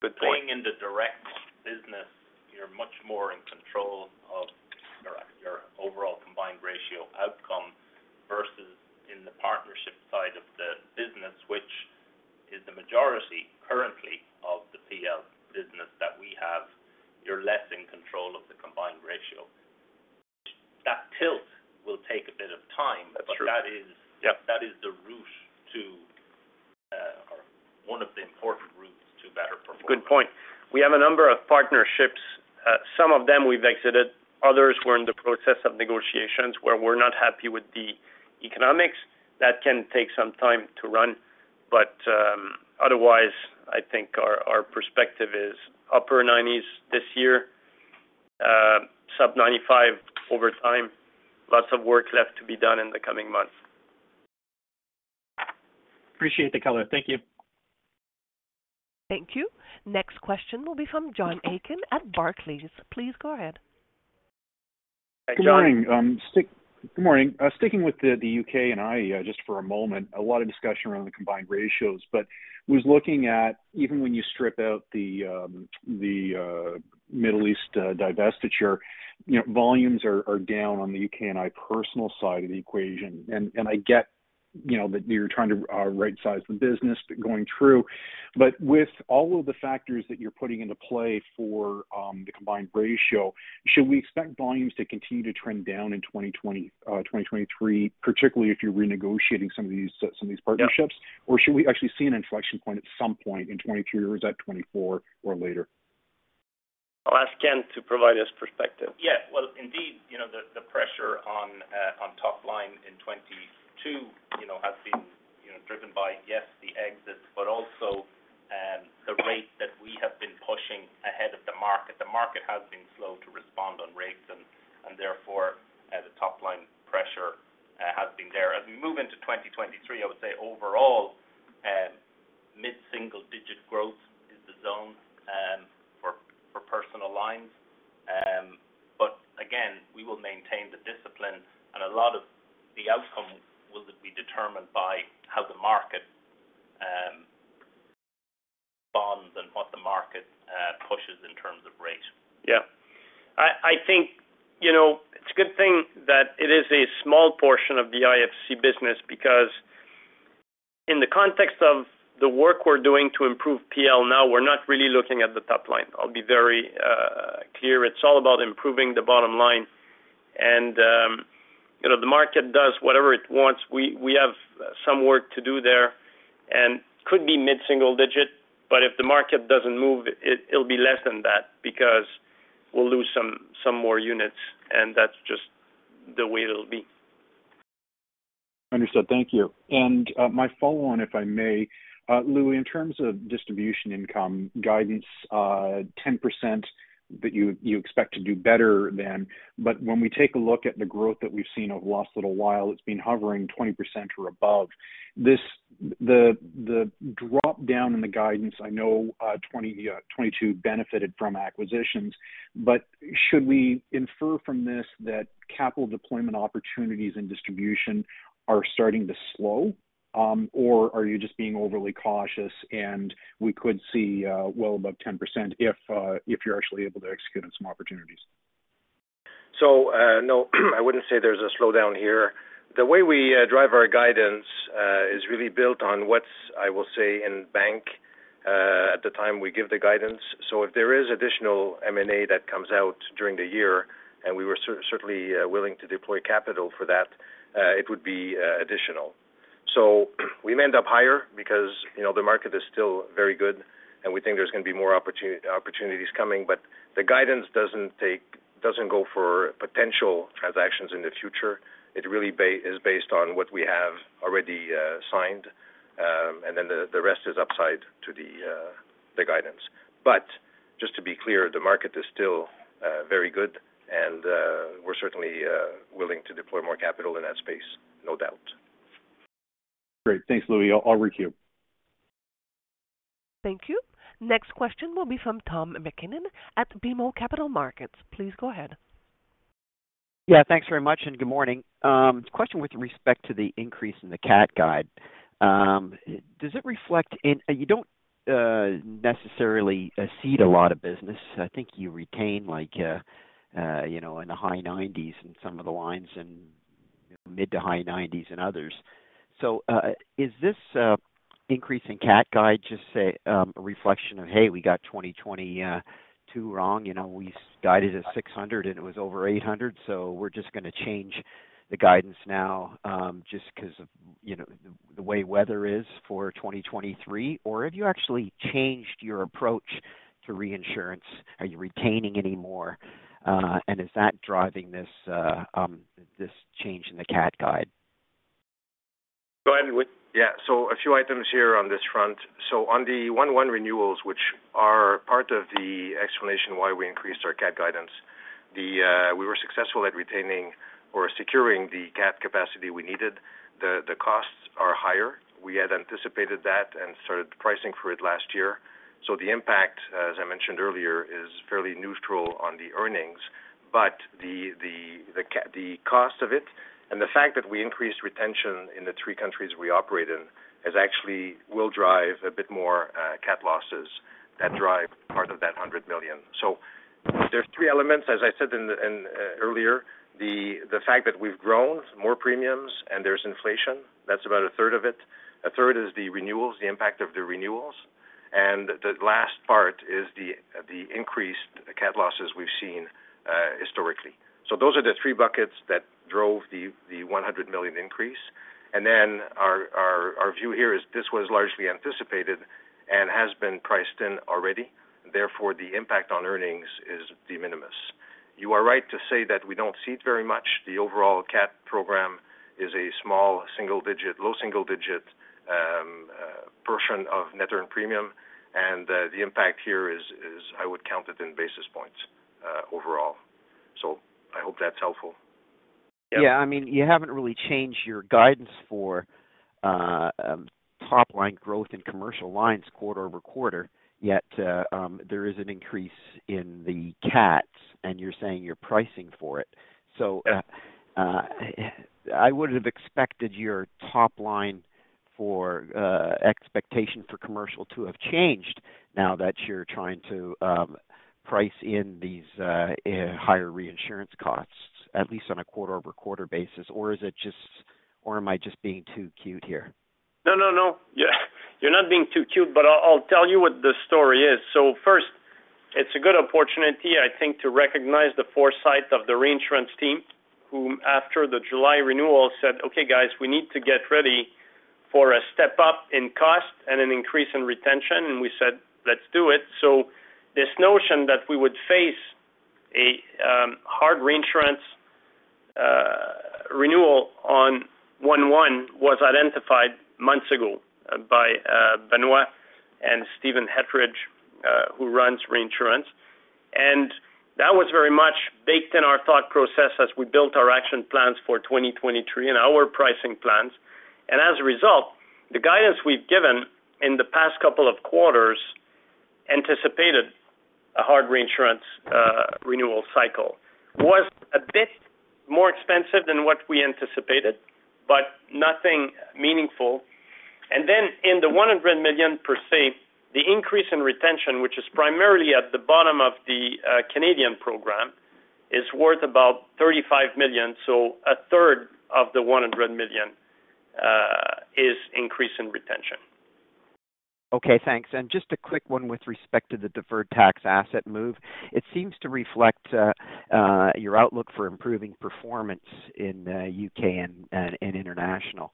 Good point.... going into direct business, you're much more in control of your overall combined ratio outcome versus in the partnership side of the business, which is the majority currently of the PL business that we have. You're less in control of the combined ratio. That tilt will take a bit of time. That's true. That is- Yeah. That is the root to, one of the important roots to better performance. Good point. We have a number of partnerships. Some of them we've exited, others we're in the process of negotiations where we're not happy with the economics. That can take some time to run. Otherwise, I think our perspective is upper 90s% this year, sub-95% over time. Lots of work left to be done in the coming months. Appreciate the color. Thank you. Thank you. Next question will be from John Aiken at Barclays. Please go ahead. John. Good morning. Sticking with the U.K. and IE just for a moment, a lot of discussion around the combined ratios, but was looking at even when you strip out the Middle East divestiture, you know, volumes are down on the U.K. and IE personal side of the equation. I get, you know, that you're trying to right-size the business going through. With all of the factors that you're putting into play for the combined ratio, should we expect volumes to continue to trend down in 2023, particularly if you're renegotiating some of these partnerships? Yeah. Should we actually see an inflection point at some point in 2022, or is that 2024 or later? I'll ask Ken to provide his perspective. Yeah. Well, indeed, you know, the pressure on top line in 2022, you know, has been, you know, driven by, yes, the exits, but also, the rate that we have been pushing ahead of the market. The market has been slow to respond on rates and therefore, the top line pressure has been there. We move into 2023, I would say overall, mid-single digit growth is the zone for personal lines. But again, we will maintain the discipline, and a lot of the outcome will be determined by how the market responds and what the market pushes in terms of rate. Yeah. I think, you know, it's a good thing that it is a small portion of the IFC business because in the context of the work we're doing to improve PL now, we're not really looking at the top line. I'll be very clear. It's all about improving the bottom line. You know, the market does whatever it wants. We have some work to do there and could be mid-single digit, but if the market doesn't move, it'll be less than that because we'll lose some more units, and that's just the way it'll be. Understood. Thank you. My follow-on, if I may, Louis, in terms of distribution income guidance, 10% that you expect to do better than. When we take a look at the growth that we've seen over the last little while, it's been hovering 20% or above. The drop-down in the guidance, I know, 2022 benefited from acquisitions, but should we infer from this that capital deployment opportunities in distribution are starting to slow? Or are you just being overly cautious, and we could see, well above 10% if you're actually able to execute on some opportunities? No, I wouldn't say there's a slowdown here. The way we drive our guidance is really built on what's, I will say, in bank at the time we give the guidance. If there is additional M&A that comes out during the year, and we were certainly willing to deploy capital for that, it would be additional. We may end up higher because, you know, the market is still very good, and we think there's gonna be more opportunities coming. The guidance doesn't go for potential transactions in the future. It really is based on what we have already signed. The rest is upside to the guidance. Just to be clear, the market is still, very good and, we're certainly, willing to deploy more capital in that space, no doubt. Great. Thanks, Louis. I'll requeue. Thank you. Next question will be from Tom MacKinnon at BMO Capital Markets. Please go ahead. Thanks very much and good morning. Question with respect to the increase in the cat guide. Does it reflect? You don't necessarily cede a lot of business. I think you retain like, you know, in the high 90s in some of the lines and mid to high 90s in others. Is this increase in cat guide just a reflection of, hey, we got 2022 wrong. You know, we guided at 600 and it was over 800, we're just gonna change the guidance now just 'cause of, you know, the way weather is for 2023? Have you actually changed your approach to reinsurance? Are you retaining any more, is that driving this change in the cat guide? Go ahead. Yeah. A few items here on this front. On the 1/1 renewals, which are part of the explanation why we increased our cat guidance, we were successful at retaining or securing the cat capacity we needed. The costs are higher. We had anticipated that and started pricing for it last year. The impact, as I mentioned earlier, is fairly neutral on the earnings. The cost of it and the fact that we increased retention in the three countries we operate in has actually will drive a bit more cat losses that drive part of that 100 million. There's three elements, as I said in the earlier, the fact that we've grown more premiums and there's inflation, that's about a third of it. A third is the renewals, the impact of the renewals. The last part is the increased cat losses we've seen historically. Those are the three buckets that drove the 100 million increase. Our view here is this was largely anticipated and has been priced in already. Therefore, the impact on earnings is de minimis. You are right to say that we don't see it very much. The overall cat program is a small single digit, low single digit portion of net earned premium, and the impact here is I would count it in basis points overall. I hope that's helpful. Yeah. I mean, you haven't really changed your guidance for top line growth in commercial lines quarter-over-quarter, yet there is an increase in the cats, and you're saying you're pricing for it. I would have expected your top line for expectation for commercial to have changed now that you're trying to price in these higher reinsurance costs, at least on a quarter-over-quarter basis. Am I just being too cute here? No, no. You're not being too cute, but I'll tell you what the story is. First, it's a good opportunity, I think, to recognize the foresight of the reinsurance team, who after the July renewal said, "Okay, guys, we need to get ready for a step up in cost and an increase in retention." We said, "Let's do it." This notion that we would face a hard reinsurance renewal on 1/1 was identified months ago by Benoît and Stephen Etheridge, who runs reinsurance. That was very much baked in our thought process as we built our action plans for 2023 and our pricing plans. As a result, the guidance we've given in the past couple of quarters anticipated a hard reinsurance renewal cycle. It was a bit more expensive than what we anticipated, but nothing meaningful. In the 100 million per se, the increase in retention, which is primarily at the bottom of the Canadian program, is worth about 35 million. A third of the 100 million is increase in retention. Okay, thanks. Just a quick one with respect to the deferred tax asset move. It seems to reflect your outlook for improving performance in U.K. and International.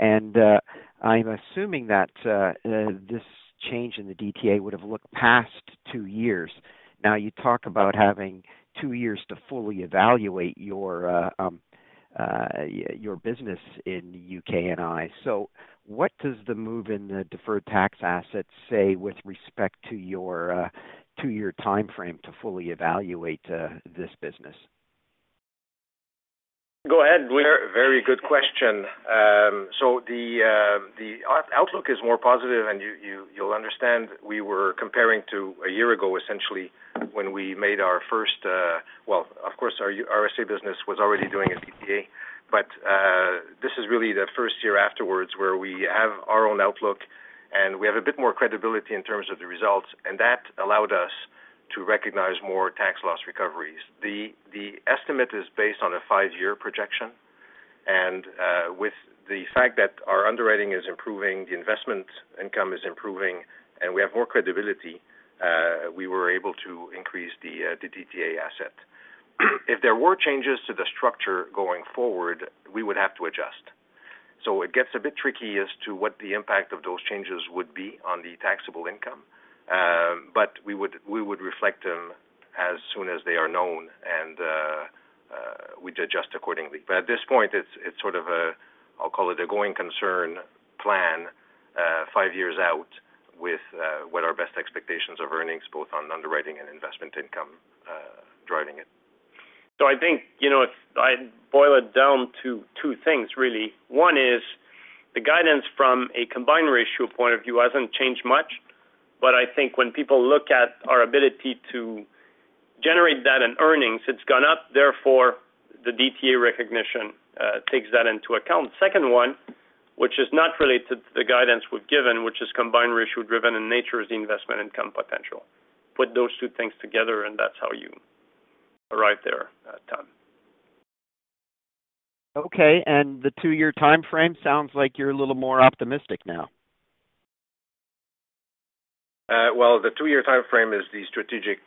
I'm assuming that this change in the DTA would have looked past two years. Now you talk about having two years to fully evaluate your business in U.K. and I. What does the move in the deferred tax assets say with respect to your two-year time frame to fully evaluate this business? Go ahead, Louis. Very good question. The outlook is more positive, and you'll understand we were comparing to a year ago, essentially, when we made our first, well, of course, our U.S. RSA business was already doing a DTA. This is really the first year afterwards where we have our own outlook, and we have a bit more credibility in terms of the results, and that allowed us to recognize more tax loss recoveries. The estimate is based on a five-year projection. With the fact that our underwriting is improving, the investment income is improving, and we have more credibility, we were able to increase the DTA asset. If there were changes to the structure going forward, we would have to adjust. It gets a bit tricky as to what the impact of those changes would be on the taxable income. But we would reflect them as soon as they are known and we'd adjust accordingly. At this point, it's sort of a, I'll call it a going concern plan, five years out with what our best expectations of earnings, both on underwriting and investment income, driving it. I think, you know, if I boil it down to two things, really. One is the guidance from a combined ratio point of view hasn't changed much, but I think when people look at our ability to generate that in earnings, it's gone up. Therefore, the DTA recognition takes that into account. Second one, which is not related to the guidance we've given, which is combined ratio-driven in nature, is the investment income potential. Put those two things together, that's how you arrive there, at time. Okay. The two-year time frame sounds like you're a little more optimistic now. Well, the two-year time frame is the strategic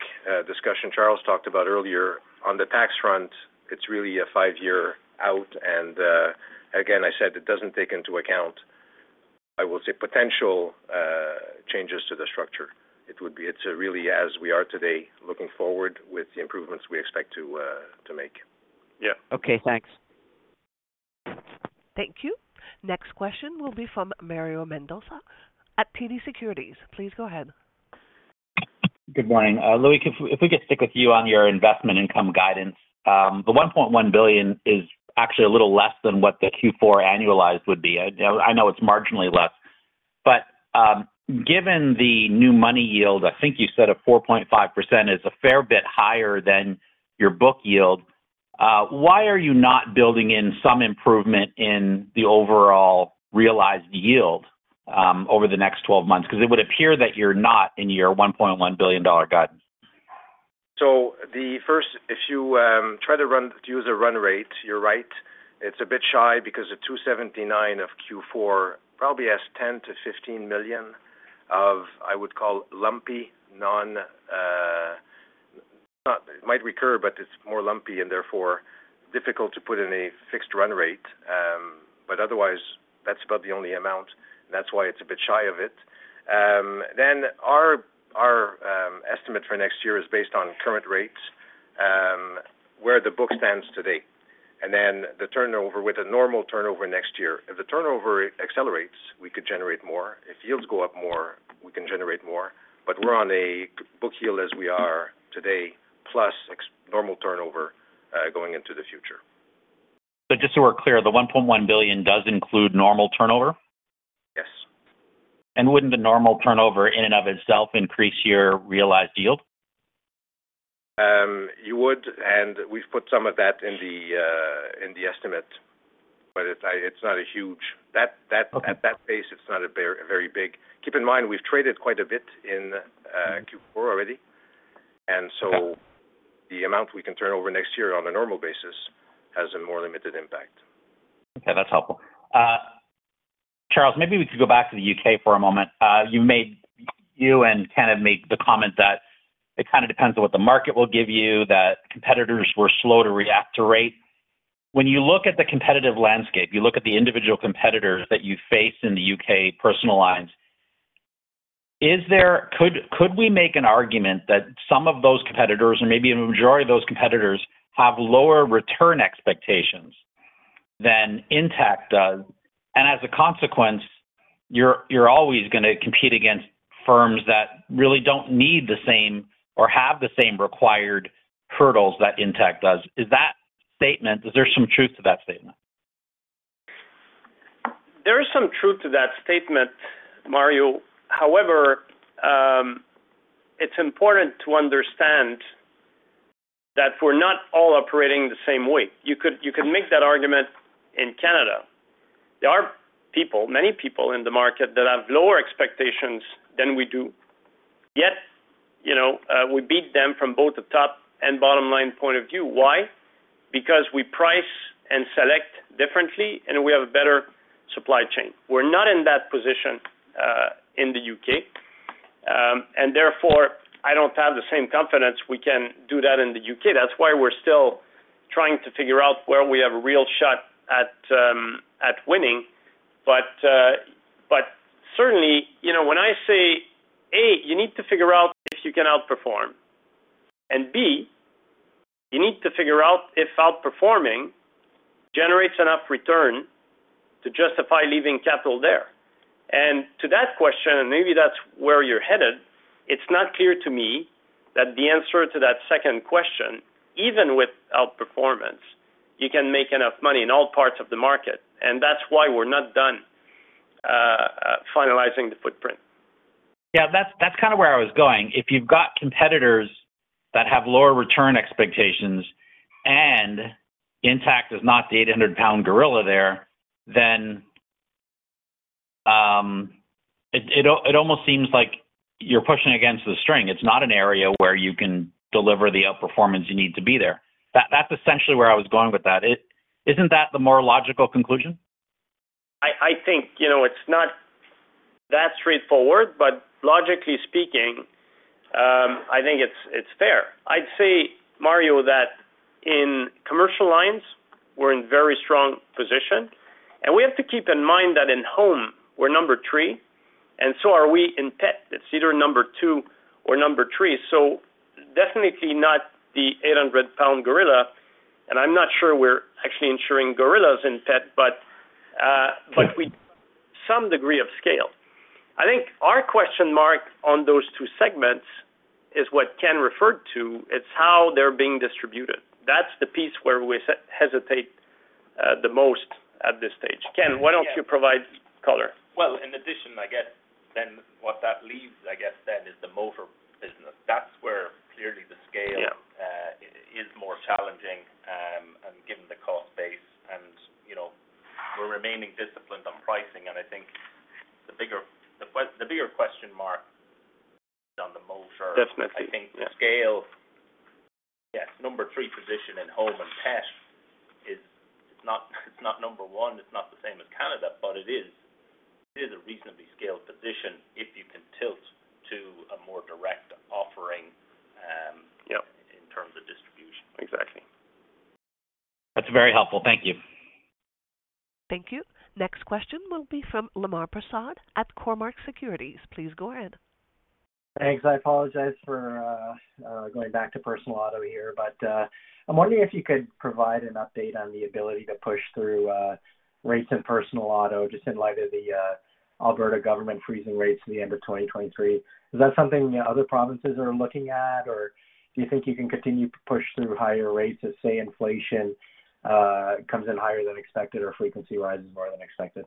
discussion Charles talked about earlier. On the tax front, it's really a five-year out. Again, I said it doesn't take into account, I will say, potential changes to the structure. It's really as we are today, looking forward with the improvements we expect to make. Yeah. Okay, thanks. Thank you. Next question will be from Mario Mendonca at TD Securities. Please go ahead. Good morning. Louis, if we could stick with you on your investment income guidance. The 1.1 billion is actually a little less than what the Q4 annualized would be. I know it's marginally less. Given the new money yield, I think you said a 4.5% is a fair bit higher than your book yield. Why are you not building in some improvement in the overall realized yield over the next 12 months? It would appear that you're not in your 1.1 billion dollar guidance. The first, if you try to use a run rate, you're right. It's a bit shy because the 279 of Q4 probably has 10 million-15 million of, I would call, lumpy non-It might recur, but it's more lumpy and therefore difficult to put in a fixed run rate. Otherwise that's about the only amount. That's why it's a bit shy of it. Our estimate for next year is based on current rates, where the book stands today, the turnover with a normal turnover next year. If the turnover accelerates, we could generate more. If yields go up more, we can generate more. We're on a book yield as we are today, plus ex-normal turnover, going into the future. Just so we're clear, the 1.1 billion does include normal turnover? Yes. Wouldn't the normal turnover in and of itself increase your realized yield? You would. We've put some of that in the estimate, but it's not a huge. At that pace, it's not a very big. Keep in mind, we've traded quite a bit in Q4 already. The amount we can turn over next year on a normal basis has a more limited impact. Okay, that's helpful. Charles, maybe we could go back to the U.K. for a moment. You and Ken have made the comment that it kinda depends on what the market will give you, that competitors were slow to react to rate. When you look at the competitive landscape, you look at the individual competitors that you face in the U.K. personal lines, could we make an argument that some of those competitors or maybe a majority of those competitors have lower return expectations than Intact does, and as a consequence, you're always gonna compete against firms that really don't need the same or have the same required hurdles that Intact does. Is there some truth to that statement? There is some truth to that statement, Mario. It's important to understand that we're not all operating the same way. You can make that argument in Canada. There are people, many people in the market that have lower expectations than we do. You know, we beat them from both the top and bottom line point of view. Why? We price and select differently, and we have a better supply chain. We're not in that position in the U.K., and therefore I don't have the same confidence we can do that in the U.K. That's why we're still trying to figure out where we have a real shot at winning. Certainly, when I say, A, you need to figure out if you can outperform, and B, you need to figure out if outperforming generates enough return to justify leaving capital there. To that question, and maybe that's where you're headed, it's not clear to me that the answer to that second question, even with outperformance, you can make enough money in all parts of the market. That's why we're not done, finalizing the footprint. Yeah, that's kinda where I was going. If you've got competitors that have lower return expectations and Intact is not the 800 lbs gorilla there, then it almost seems like you're pushing against the string. It's not an area where you can deliver the outperformance you need to be there. That's essentially where I was going with that. Isn't that the more logical conclusion? I think, you know, it's not that straightforward, but logically speaking, I think it's fair. I'd say, Mario, that in commercial lines, we're in very strong position. We have to keep in mind that in home we're number three, and so are we in pet. It's either number two or number three. Definitely not the 800 lbs gorilla, and I'm not sure we're actually insuring gorillas in pet, but we some degree of scale. I think our question mark on those two segments is what Ken referred to. It's how they're being distributed. That's the piece where we hesitate the most at this stage. Ken, why don't you provide color? In addition, I guess then what that leaves, I guess then is the motor business. That's where clearly the scale. Yeah... is more challenging, and given the cost base and, you know, we're remaining disciplined on pricing. I think the bigger question mark is on the motor. Definitely. I think the scale, yes, number three position in home and pet is not, it's not number one, it's not the same as Canada, but it is a reasonably scaled position if you can tilt to a more direct offering. Yeah In terms of distribution. Exactly. That's very helpful. Thank you. Thank you. Next question will be from Lemar Persaud at Cormark Securities. Please go ahead. Thanks. I apologize for going back to personal auto here, but I'm wondering if you could provide an update on the ability to push through rates in personal auto, just in light of the Alberta government freezing rates at the end of 2023. Is that something other provinces are looking at, or do you think you can continue to push through higher rates if, say, inflation comes in higher than expected or frequency rises more than expected?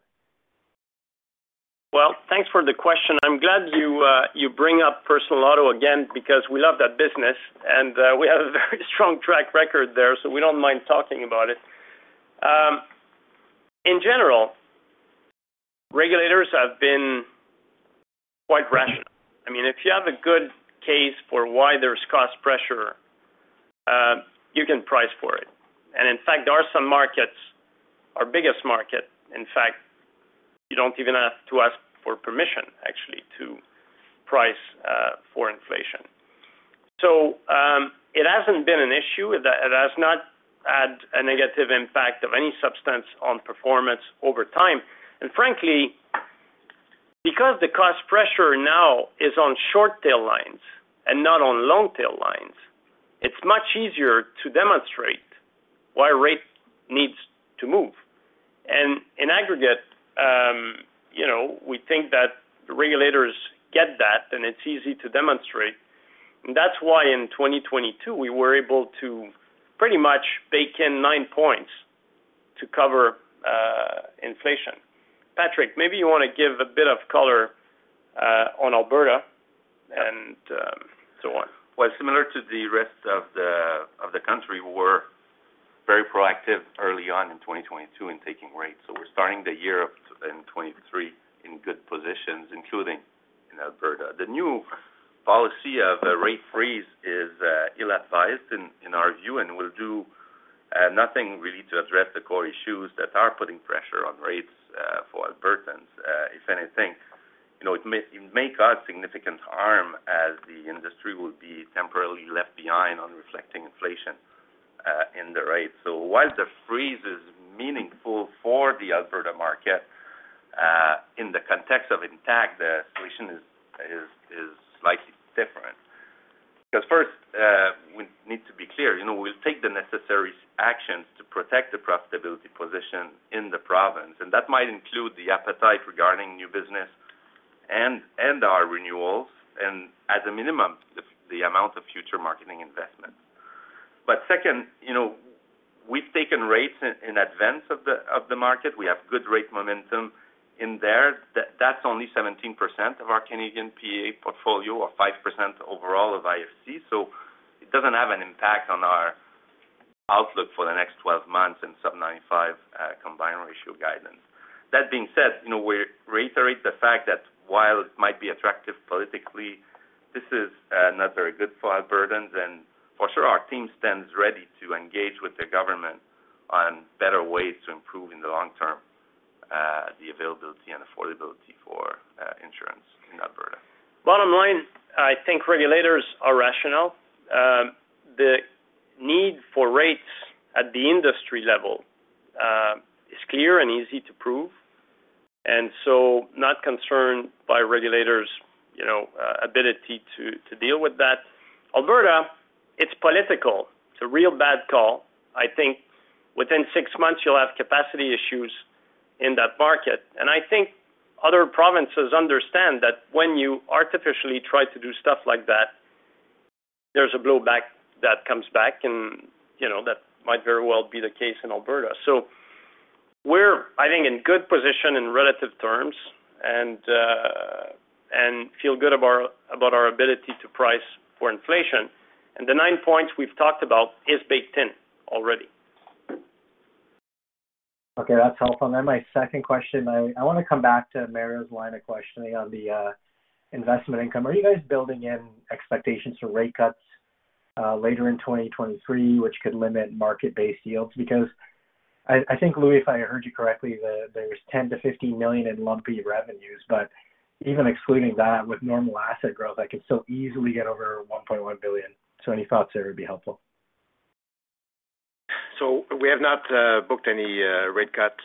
Well, thanks for the question. I'm glad you bring up personal auto again because we love that business, and we have a very strong track record there, so we don't mind talking about it. In general, regulators have been quite rational. I mean, if you have a good case for why there's cost pressure, you can price for it. In fact, there are some markets, our biggest market, in fact, you don't even have to ask for permission price for inflation. It hasn't been an issue. It has not had a negative impact of any substance on performance over time. Frankly, because the cost pressure now is on short tail lines and not on long tail lines, it's much easier to demonstrate why rate needs to move. In aggregate, you know, we think that the regulators get that, and it's easy to demonstrate. That's why in 2022 we were able to pretty much bake in nine points to cover inflation. Patrick, maybe you wanna give a bit of color on Alberta and so on. Well, similar to the rest of the country, we're very proactive early on in 2022 in taking rates. We're starting the year in 2023 in good positions, including in Alberta. The new policy of the rate freeze is ill-advised in our view, and will do nothing really to address the core issues that are putting pressure on rates for Albertans. If anything, you know, it may cause significant harm as the industry will be temporarily left behind on reflecting inflation in the rates. While the freeze is meaningful for the Alberta market, in the context of Intact, the situation is slightly different. First, we need to be clear. You know, we'll take the necessary actions to protect the profitability position in the province. That might include the appetite regarding new business and our renewals, and as a minimum, the amount of future marketing investment. Second, you know, we've taken rates in advance of the, of the market. We have good rate momentum in there. That's only 17% of our Canadian PA portfolio or 5% overall of IFC. It doesn't have an impact on our outlook for the next 12 months in sub 95 combined ratio guidance. That being said, you know, we reiterate the fact that while it might be attractive politically, this is not very good for Albertans. For sure our team stands ready to engage with the government on better ways to improve in the long term, the availability and affordability for insurance in Alberta. Bottom line, I think regulators are rational. The need for rates at the industry level is clear and easy to prove. Not concerned by regulators', you know, ability to deal with that. Alberta, it's political. It's a real bad call. I think within six months you'll have capacity issues in that market. I think other provinces understand that when you artificially try to do stuff like that, there's a blowback that comes back and, you know, that might very well be the case in Alberta. We're, I think, in good position in relative terms and feel good about our ability to price for inflation. The nine points we've talked about is baked in already. Okay, that's helpful. My second question, I wanna come back to Mario's line of questioning on the investment income. Are you guys building in expectations for rate cuts later in 2023, which could limit market-based yields? I think, Louis, if I heard you correctly, there's 10 million-15 million in lumpy revenues. Even excluding that, with normal asset growth, that could still easily get over 1.1 billion. Any thoughts there would be helpful. We have not booked any rate cuts,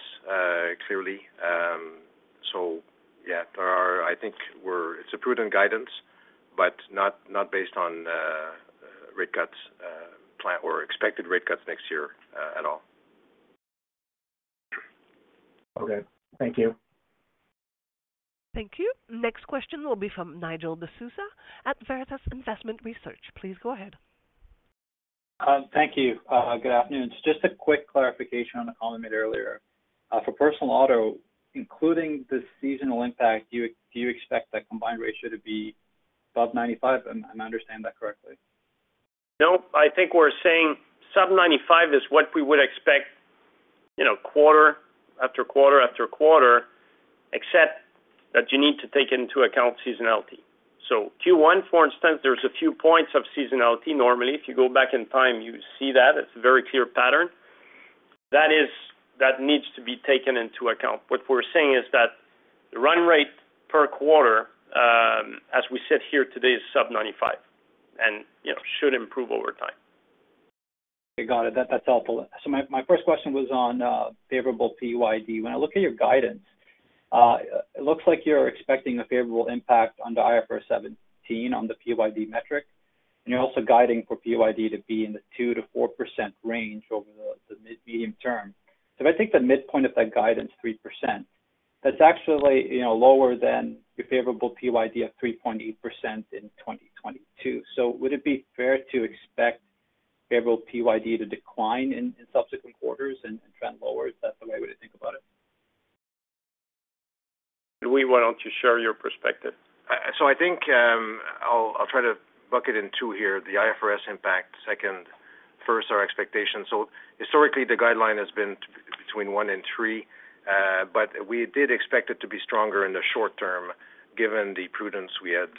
clearly. I think it's a prudent guidance, but not based on rate cuts plan or expected rate cuts next year at all. Okay, thank you. Thank you. Next question will be from Nigel D'Souza at Veritas Investment Research. Please go ahead. Thank you. Good afternoon. Just a quick clarification on the call you made earlier. For personal auto, including the seasonal impact, do you expect that combined ratio to be above 95? Am I understanding that correctly? No. I think we're saying sub 95 is what we would expect, you know, quarter after quarter-after-quarter, except that you need to take into account seasonality. Q1, for instance, there's a few points of seasonality normally. If you go back in time, you see that. It's a very clear pattern. That needs to be taken into account. What we're saying is that the run rate per quarter, as we sit here today, is sub 95 and, you know, should improve over time. Got it. That's helpful. My first question was on favorable PYD. When I look at your guidance, it looks like you're expecting a favorable impact on the IFRS 17 on the PYD metric, and you're also guiding for PYD to be in the 2%-4% range over the medium term. If I take the midpoint of that guidance, 3%, that's actually, you know, lower than the favorable PYD of 3.8% in 2022. Would it be fair to expect favorable PYD to decline in subsequent quarters and trend lower? Is that the way we should think about it? Louis, why don't you share your perspective? I think, I'll try to bucket in two here, the IFRS impact second. First, our expectations. Historically the guideline has been between one and three, but we did expect it to be stronger in the short term given the prudence we had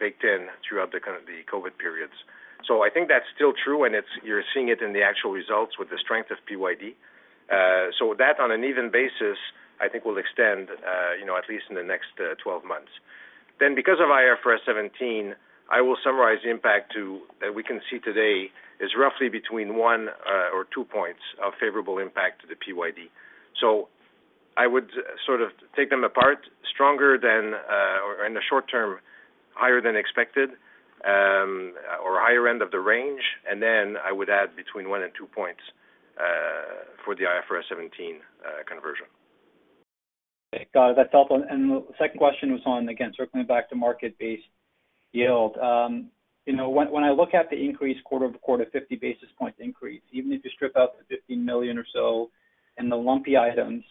baked in throughout the kind of the COVID period. I think that's still true, and you're seeing it in the actual results with the strength of PYD. That on an even basis, I think will extend, you know, at least in the next 12 months. Because of IFRS 17, I will summarize the impact to, that we can see today is roughly between one or two points of favorable impact to the PYD. I would sort of take them apart stronger than, or in the short term, higher than expected, or higher end of the range. I would add between one and two points for the IFRS 17 conversion. Got it. That's helpful. The second question was on, again, circling back to market-based yield. you know, when I look at the increase quarter-over-quarter, 50 basis points increase, even if you strip out the $15 million or so and the lumpy items,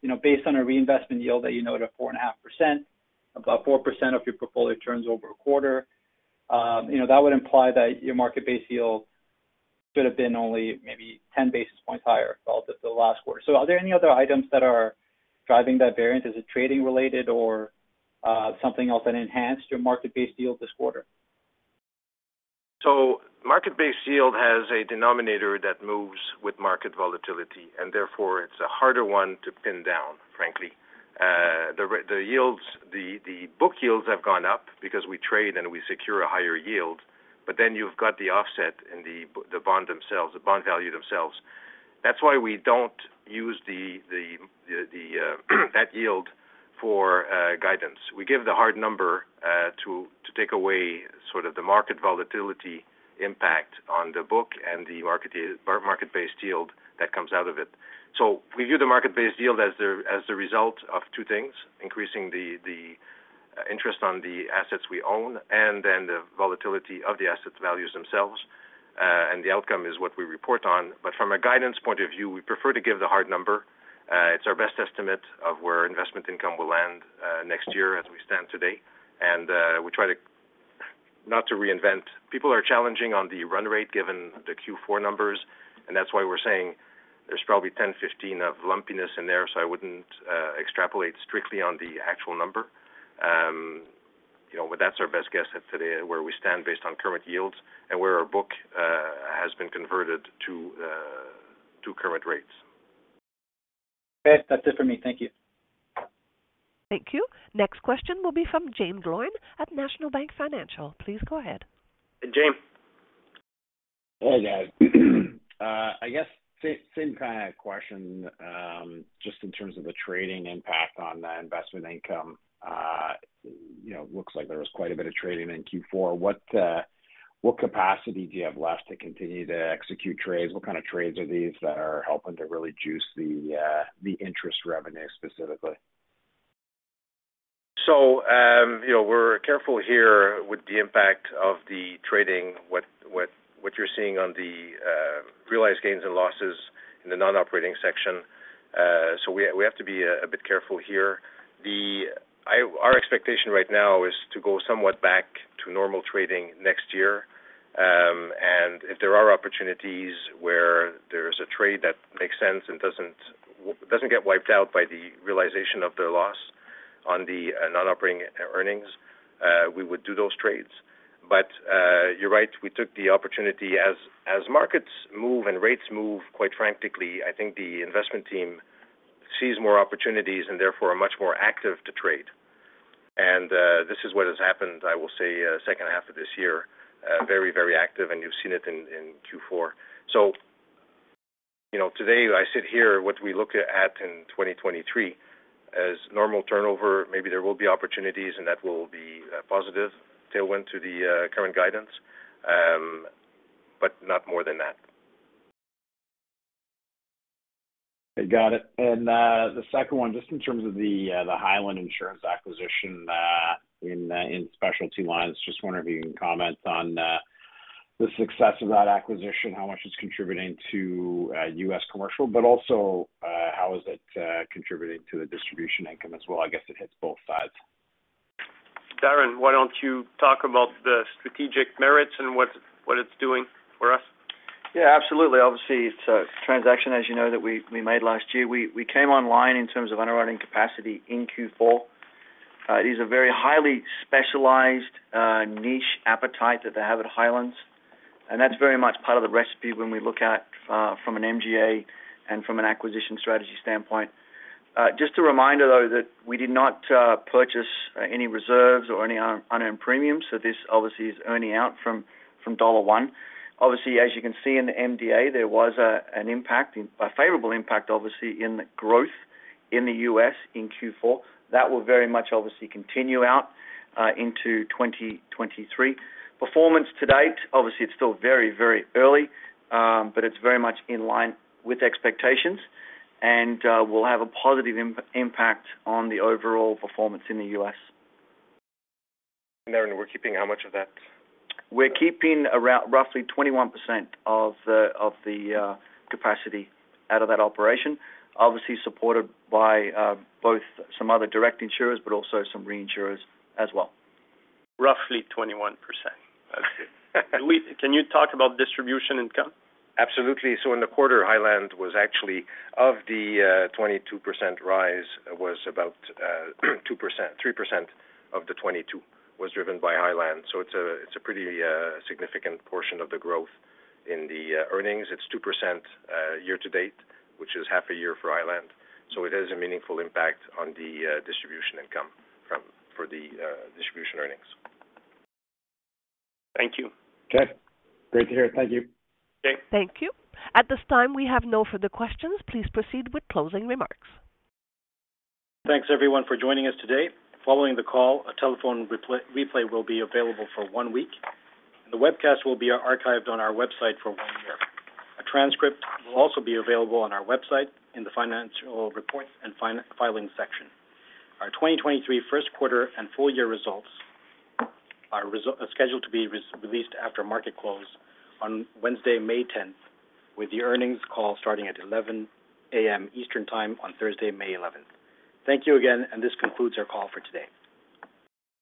you know, based on a reinvestment yield that you know at a 4.5%, about 4% of your portfolio turns over a quarter, you know, that would imply that your market-based yield should have been only maybe 10 basis points higher for the last quarter. Are there any other items that are driving that variance? Is it trading related or something else that enhanced your market-based yield this quarter? Market-based yield has a denominator that moves with market volatility, and therefore it's a harder one to pin down, frankly. The yields, the book yields have gone up because we trade and we secure a higher yield. You've got the offset in the bond themselves, the bond value themselves. That's why we don't use that yield for guidance. We give the hard number to take away sort of the market volatility impact on the book and the market-based yield that comes out of it. We view the market-based yield as the result of two things: increasing the interest on the assets we own and then the volatility of the assets values themselves. The outcome is what we report on. From a guidance point of view, we prefer to give the hard number. It's our best estimate of where investment income will land next year as we stand today. We try to not to reinvent. People are challenging on the run rate given the Q4 numbers, that's why we're saying there's probably 10, 15 of lumpiness in there, I wouldn't extrapolate strictly on the actual number. You know, that's our best guess at today where we stand based on current yields and where our book has been converted to current rates. Okay. That's it for me. Thank you. Thank you. Next question will be from Jaeme Gloyn at National Bank Financial. Please go ahead. Jaeme. Hey, guys. I guess same kind of question, you know, just in terms of the trading impact on the investment income. You know, looks like there was quite a bit of trading in Q4. What capacity do you have left to continue to execute trades? What kind of trades are these that are helping to really juice the interest revenue specifically? You know, we're careful here with the impact of the trading, what you're seeing on the realized gains and losses in the non-operating section. We have to be a bit careful here. Our expectation right now is to go somewhat back to normal trading next year. If there are opportunities where there's a trade that makes sense and doesn't get wiped out by the realization of their loss on the non-operating earnings, we would do those trades. You're right, we took the opportunity. As markets move and rates move quite frantically, I think the investment team sees more opportunities and therefore are much more active to trade. This is what has happened, I will say, second half of this year, very, very active, and you've seen it in Q4. You know, today I sit here, what we look at in 2023 as normal turnover. Maybe there will be opportunities and that will be a positive tailwind to the current guidance, but not more than that. Got it. The second one, just in terms of the Highland Insurance acquisition, in specialty lines, just wondering if you can comment on the success of that acquisition, how much it's contributing to U.S. commercial, but also, how is it contributing to the distribution income as well? I guess it hits both sides. Darren, why don't you talk about the strategic merits and what it, what it's doing for us? Yeah, absolutely. Obviously, it's a transaction, as you know, that we made last year. We came online in terms of underwriting capacity in Q4. It is a very highly specialized niche appetite that they have at Highlands, and that's very much part of the recipe when we look at from an MGA and from an acquisition strategy standpoint. Just a reminder, though, that we did not purchase any reserves or any unearned premiums, so this obviously is earning out from dollar one. Obviously, as you can see in the MD&A, there was an impact, a favorable impact obviously, in the growth in the U.S. in Q4. That will very much obviously continue out into 2023. Performance to date, obviously it's still very, very early, but it's very much in line with expectations and will have a positive impact on the overall performance in the U.S.. Darren, we're keeping how much of that? We're keeping around roughly 21% of the capacity out of that operation, obviously supported by both some other direct insurers, but also some reinsurers as well. Roughly 21%. Okay. Can you talk about distribution income? Absolutely. In the quarter, Highland was actually of the 22% rise was about 2%, 3% of the 22 was driven by Highland. It's a, it's a pretty significant portion of the growth in the earnings. It's 2% year to date, which is half a year for Highland. It has a meaningful impact on the distribution income for the distribution earnings. Thank you. Okay. Great to hear. Thank you. Okay. Thank you. At this time, we have no further questions. Please proceed with closing remarks. Thanks, everyone, for joining us today. Following the call, a telephone replay will be available for one week. The webcast will be archived on our website for one year. A transcript will also be available on our website in the financial reports and filing section. Our 2023 first quarter and full year results are scheduled to be released after market close on Wednesday, May 10th, with the earnings call starting at 11:00 A.M. Eastern time on Thursday, May 11th. Thank you again. This concludes our call for today.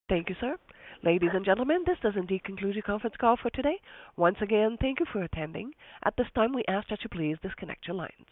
Thank you, sir. Ladies and gentlemen, this does indeed conclude your conference call for today. Once again, thank you for attending. At this time, we ask that you please disconnect your lines.